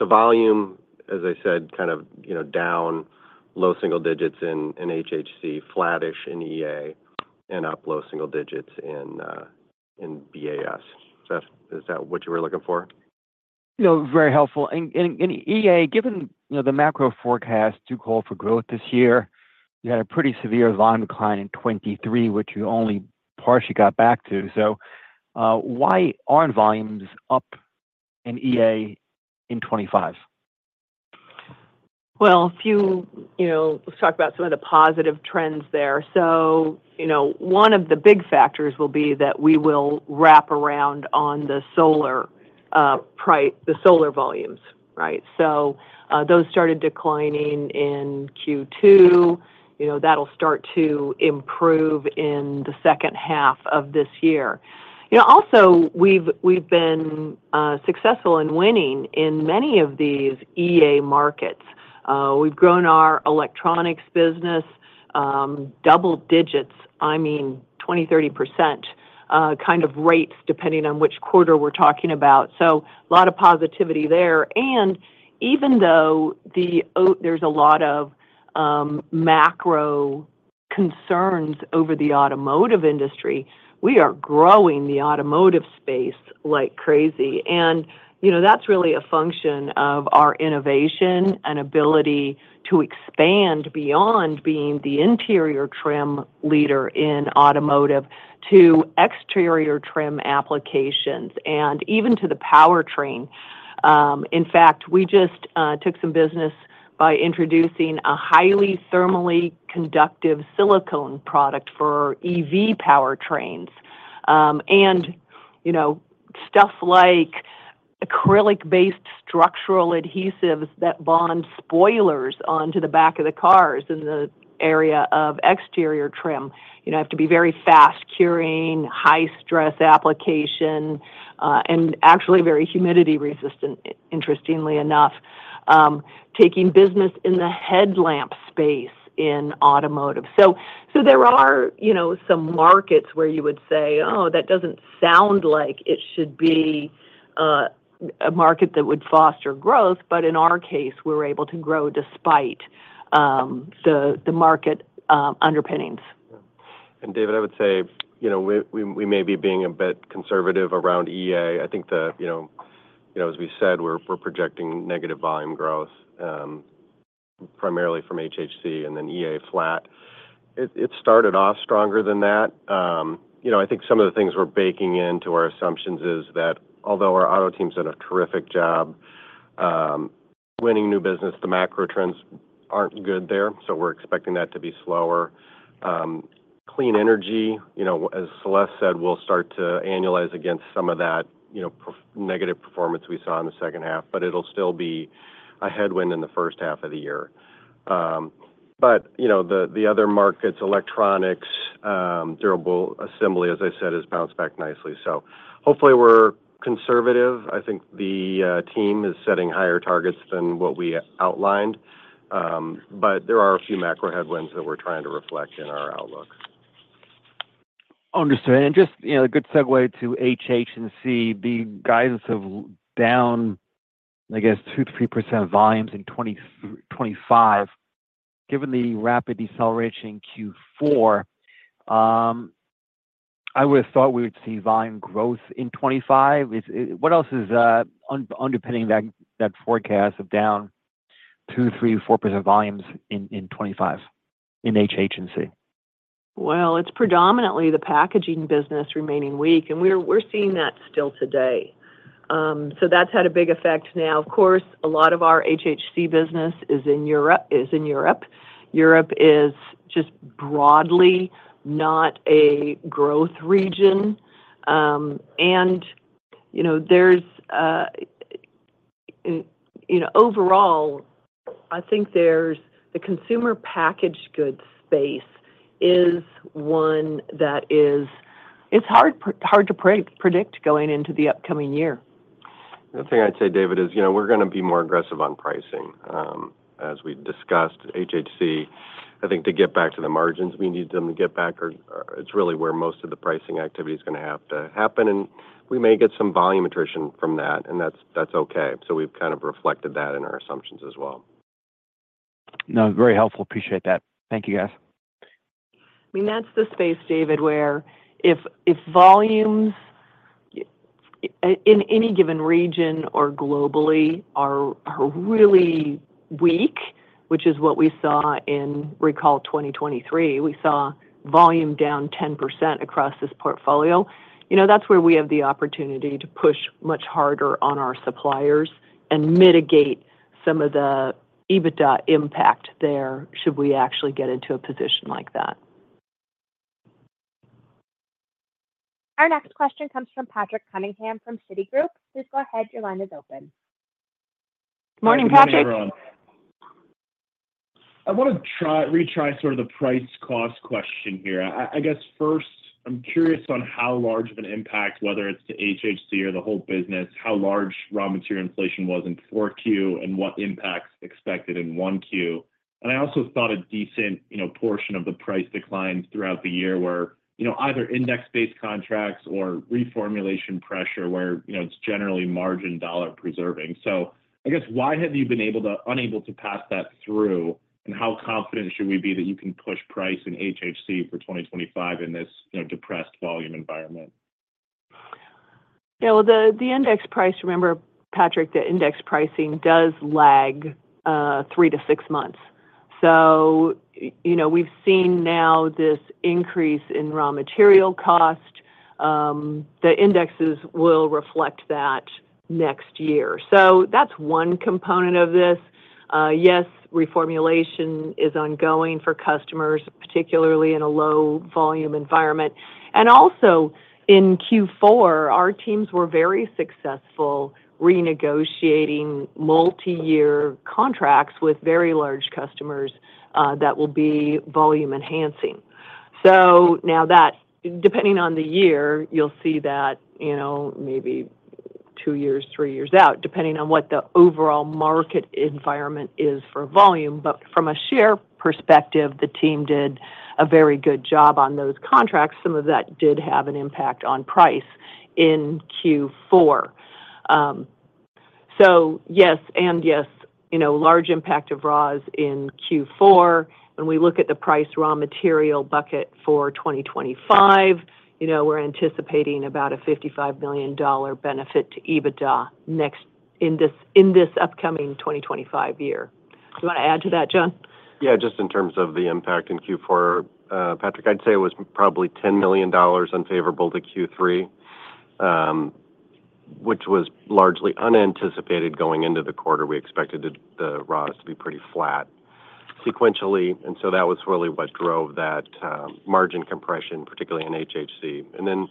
Volume, as I said, kind of down low single digits in HHC, flattish in EA, and up low single digits in BAS. Is that what you were looking for?
Very helpful. And EA, given the macro forecast too cold for growth this year, you had a pretty severe volume decline in 2023, which you only partially got back to. So why aren't volumes up in EA in 2025?
Well, let's talk about some of the positive trends there. So one of the big factors will be that we will wrap around on the Solar volumes, right? So those started declining in Q2. That'll start to improve in the second half of this year. Also, we've been successful in winning in many of these EA markets. We've grown our Electronics business double digits, I mean, 20%-30% kind of rates depending on which quarter we're talking about. So a lot of positivity there. And even though there's a lot of macro concerns over the Automotive industry, we are growing the Automotive space like crazy. And that's really a function of our innovation and ability to expand beyond being the interior trim leader in Automotive to exterior trim applications and even to the powertrain. In fact, we just took some business by introducing a highly thermally conductive silicone product for EV powertrains. And stuff like acrylic-based structural adhesives that bond spoilers onto the back of the cars in the area of exterior trim have to be very fast curing, high-stress application, and actually very humidity resistant, interestingly enough, taking business in the headlamp space in Automotive. So there are some markets where you would say, "Oh, that doesn't sound like it should be a market that would foster growth." But in our case, we're able to grow despite the market underpinnings.
And David, I would say we may be being a bit conservative around EA. I think that, as we said, we're projecting negative volume growth primarily from HHC and then EA flat. It started off stronger than that. I think some of the things we're baking into our assumptions is that although our Auto team's done a terrific job winning new business, the macro trends aren't good there. So we're expecting that to be slower. Clean energy, as Celeste said, will start to annualize against some of that negative performance we saw in the second half, but it'll still be a headwind in the first half of the year. But the other markets, electronics, durable assembly, as I said, has bounced back nicely, so hopefully, we're conservative. I think the team is setting higher targets than what we outlined but there are a few macro headwinds that we're trying to reflect in our outlook.
Understood. Just a good segue to HHC and CA guidance of down, I guess, 2%-3% volumes in 2025. Given the rapid deceleration in Q4, I would have thought we would see volume growth in 2025. What else is underpinning that forecast of down 2%-4% volumes in 2025 in HHC and CA?
It's predominantly the packaging business remaining weak, and we're seeing that still today, so that's had a big effect now. Of course, a lot of our HHC business is in Europe. Europe is just broadly not a growth region. Overall, I think the Consumer Packaged Goods space is one that is hard to predict going into the upcoming year.
The thing I'd say, David, is we're going to be more aggressive on pricing. As we discussed, HHC, I think to get back to the margins we need them to get back, it's really where most of the pricing activity is going to have to happen. And we may get some volume attrition from that, and that's okay. So we've kind of reflected that in our assumptions as well.
No, very helpful. Appreciate that. Thank you, guys.
I mean, that's the space, David, where if volumes in any given region or globally are really weak, which is what we saw in calendar 2023, we saw volume down 10% across this portfolio, that's where we have the opportunity to push much harder on our suppliers and mitigate some of the EBITDA impact there should we actually get into a position like that.
Our next question comes from Patrick Cunningham from Citigroup. Please go ahead. Your line is open.
Good morning, Patrick.
Hi, everyone. I want to revisit sort of the price-cost question here. I guess first, I'm curious on how large of an impact, whether it's to HHC or the whole business, how large raw material inflation was in Q4 and what impact is expected in 1Q. And I also thought a decent portion of the price declines throughout the year were either index-based contracts or reformulation pressure where it's generally margin dollar preserving. So I guess, why have you been unable to pass that through? And how confident should we be that you can push price in HHC for 2025 in this depressed volume environment?
Yeah. Well, the index price, remember, Patrick, the index pricing does lag three to six months. So we've seen now this increase in raw material cost. The indexes will reflect that next year. So that's one component of this. Yes, reformulation is ongoing for customers, particularly in a low-volume environment. And also in Q4, our teams were very successful renegotiating multi-year contracts with very large customers that will be volume-enhancing. So now that, depending on the year, you'll see that maybe two years, three years out, depending on what the overall market environment is for volume. But from a share perspective, the team did a very good job on those contracts. Some of that did have an impact on price in Q4. So yes, and yes, large impact of raws in Q4. When we look at the price raw material bucket for 2025, we're anticipating about a $55 million benefit to EBITDA in this upcoming 2025 year. Do you want to add to that, John?
Yeah. Just in terms of the impact in Q4, Patrick, I'd say it was probably $10 million unfavorable to Q3, which was largely unanticipated going into the quarter. We expected the raws to be pretty flat sequentially. And so that was really what drove that margin compression, particularly in HHC. And then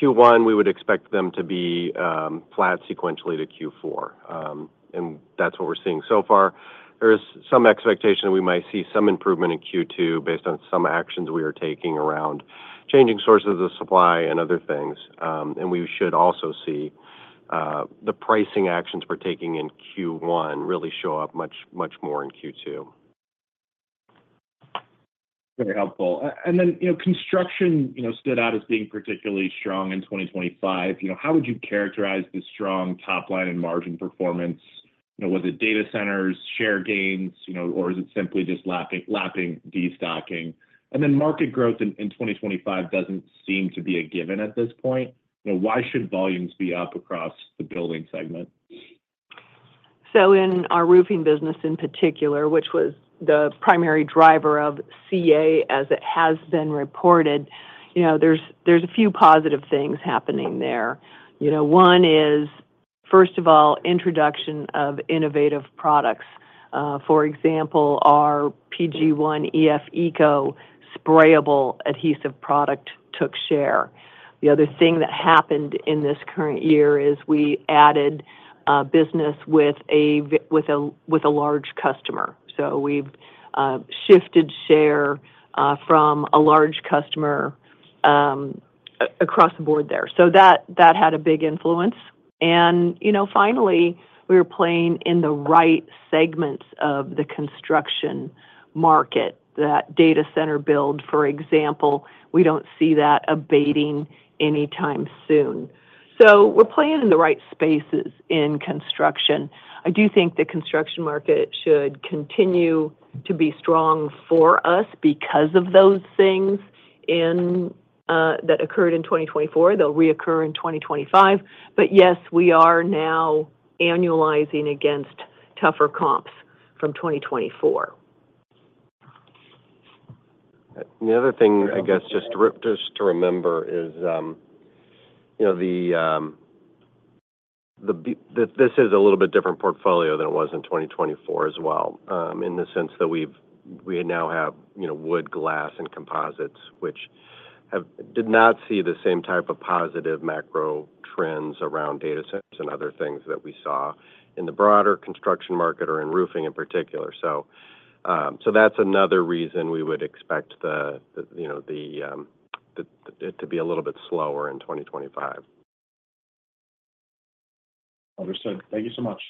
Q1, we would expect them to be flat sequentially to Q4. And that's what we're seeing so far. There is some expectation that we might see some improvement in Q2 based on some actions we are taking around changing sources of supply and other things. And we should also see the pricing actions we're taking in Q1 really show up much more in Q2.
Very helpful. And then construction stood out as being particularly strong in 2025. How would you characterize the strong top line and margin performance? Was it data centers, share gains, or is it simply just lapping destocking? And then market growth in 2025 doesn't seem to be a given at this point. Why should volumes be up across the building segment?
So in our roofing business in particular, which was the primary driver of CA as it has been reported, there's a few positive things happening there. One is, first of all, introduction of innovative products. For example, our PG-1 EF ECO Sprayable Adhesive product took share. The other thing that happened in this current year is we added business with a large customer. So we've shifted share from a large customer across the Board there. So that had a big influence. And finally, we were playing in the right segments of the construction market. That data center build, for example, we don't see that abating anytime soon. So we're playing in the right spaces in construction. I do think the construction market should continue to be strong for us because of those things that occurred in 2024. They'll reoccur in 2025. But yes, we are now annualizing against tougher comps from 2024.
The other thing, I guess, just to remember is this is a little bit different portfolio than it was in 2024 as well in the sense that we now have wood, glass, and composites, which did not see the same type of positive macro trends around data centers and other things that we saw in the broader construction market or in roofing in particular. So that's another reason we would expect it to be a little bit slower in 2025.
Understood. Thank you so much.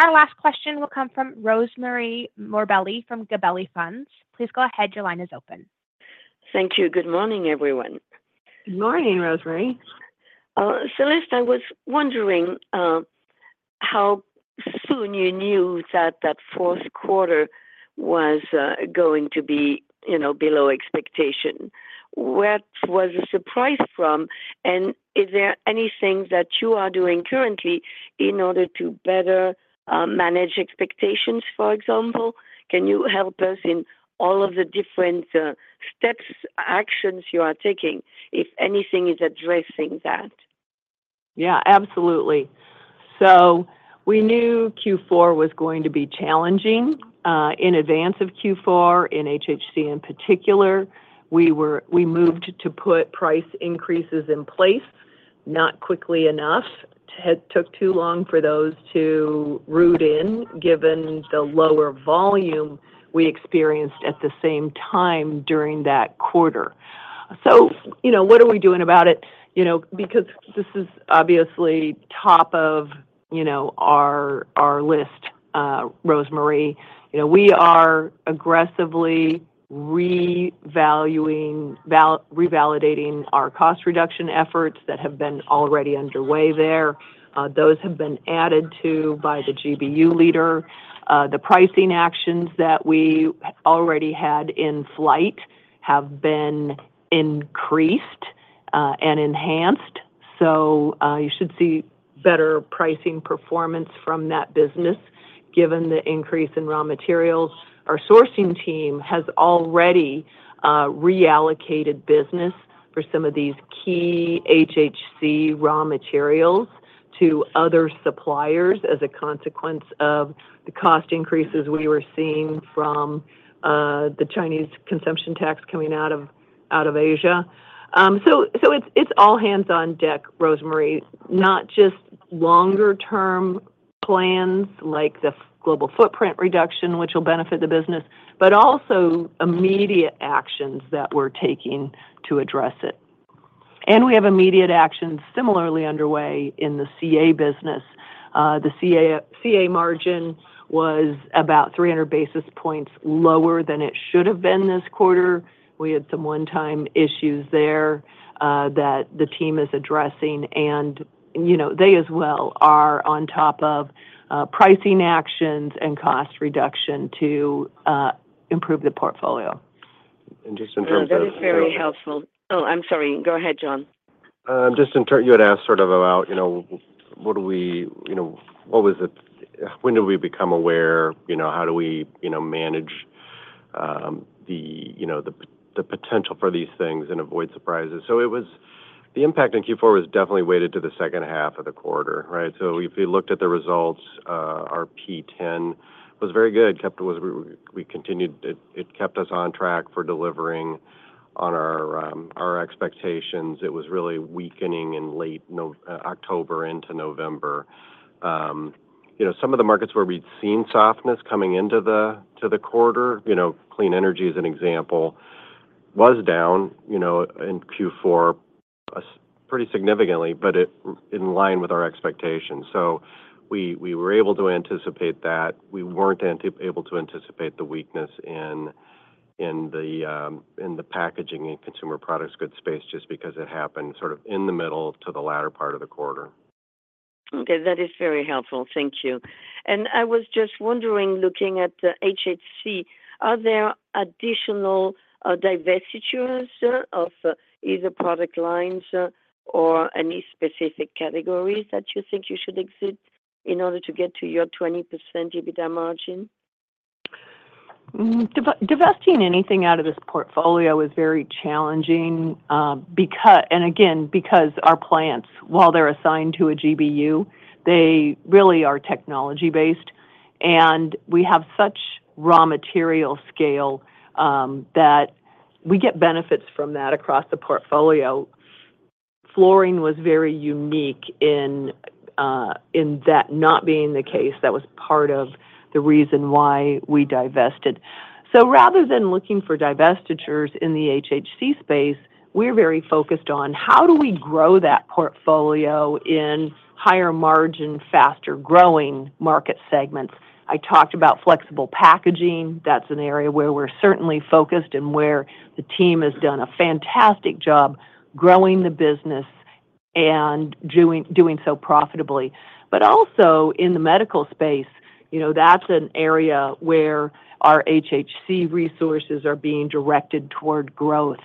Our last question will come from Rosemarie Morbelli from Gabelli Funds. Please go ahead. Your line is open.
Thank you. Good morning, everyone.
Good morning, Rosemarie.
Celeste, I was wondering how soon you knew that that fourth quarter was going to be below expectation. What was the surprise from? Is there anything that you are doing currently in order to better manage expectations, for example? Can you help us in all of the different steps, actions you are taking, if anything is addressing that?
Yeah, absolutely. We knew Q4 was going to be challenging. In advance of Q4, in HHC in particular, we moved to put price increases in place, not quickly enough. It took too long for those to root in given the lower volume we experienced at the same time during that quarter. What are we doing about it? Because this is obviously top of our list, Rosemarie. We are aggressively revalidating our cost reduction efforts that have been already underway there. Those have been added to by the GBU leader. The pricing actions that we already had in flight have been increased and enhanced. So you should see better pricing performance from that business given the increase in raw materials. Our sourcing team has already reallocated business for some of these key HHC raw materials to other suppliers as a consequence of the cost increases we were seeing from the Chinese consumption tax coming out of Asia. So it's all hands on deck, Rosemarie, not just longer-term plans like the global footprint reduction, which will benefit the business, but also immediate actions that we're taking to address it. And we have immediate actions similarly underway in the CA business. The CA margin was about 300 basis points lower than it should have been this quarter. We had some one-time issues there that the team is addressing. And they as well are on top of pricing actions and cost reduction to improve the portfolio.
That is very helpful. Oh, I'm sorry. Go ahead, John.
Just in turn, you had asked sort of about what, when did we become aware? How do we manage the potential for these things and avoid surprises? So the impact in Q4 was definitely weighted to the second half of the quarter, right? So if you looked at the results, our P10 was very good. We continued to. It kept us on track for delivering on our expectations. It was really weakening in late October into November. Some of the markets where we'd seen softness coming into the quarter, Clean Energy as an example, was down in Q4 pretty significantly, but in line with our expectations. So we were able to anticipate that. We weren't able to anticipate the weakness in the Packaging and Consumer Products Goods space just because it happened sort of in the middle to the latter part of the quarter.
Okay. That is very helpful. Thank you. And I was just wondering, looking at HHC, are there additional divestitures of either product lines or any specific categories that you think you should exit in order to get to your 20% EBITDA margin?
Divesting anything out of this portfolio is very challenging. And again, because our plants, while they're assigned to a GBU, they really are technology-based. And we have such raw material scale that we get benefits from that across the portfolio. Flooring was very unique in that not being the case that was part of the reason why we divested. So rather than looking for divestitures in the HHC space, we're very focused on how do we grow that portfolio in higher margin, faster-growing market segments. I talked about Flexible Packaging. That's an area where we're certainly focused and where the team has done a fantastic job growing the business and doing so profitably. But also in the Medical space, that's an area where our HHC resources are being directed toward growth.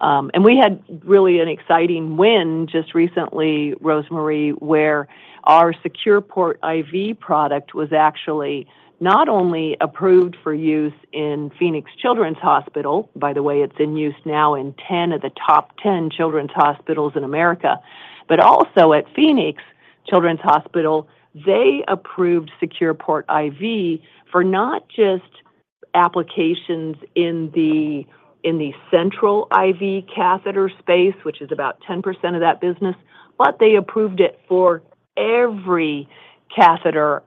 And we had really an exciting win just recently, Rosemarie, where our SecurePortIV product was actually not only approved for use in Phoenix Children's Hospital, by the way, it's in use now in 10 of the top 10 children's hospitals in America, but also at Phoenix Children's Hospital, they approved SecurePortIV for not just applications in the Central IV Catheter space, which is about 10% of that business, but they approved it for every IV Catheter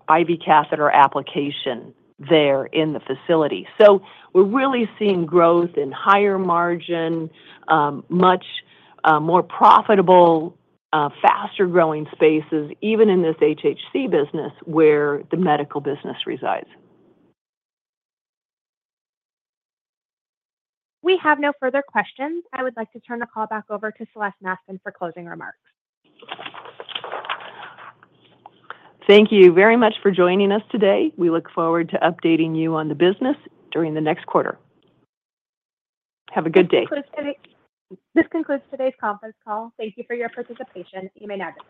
application there in the facility. So we're really seeing growth in higher margin, much more profitable, faster-growing spaces, even in this HHC business where the Medical business resides.
We have no further questions. I would like to turn the call back over to Celeste Mastin for closing remarks.
Thank you very much for joining us today. We look forward to updating you on the business during the next quarter. Have a good day.
This concludes today's conference call. Thank you for your participation. You may now.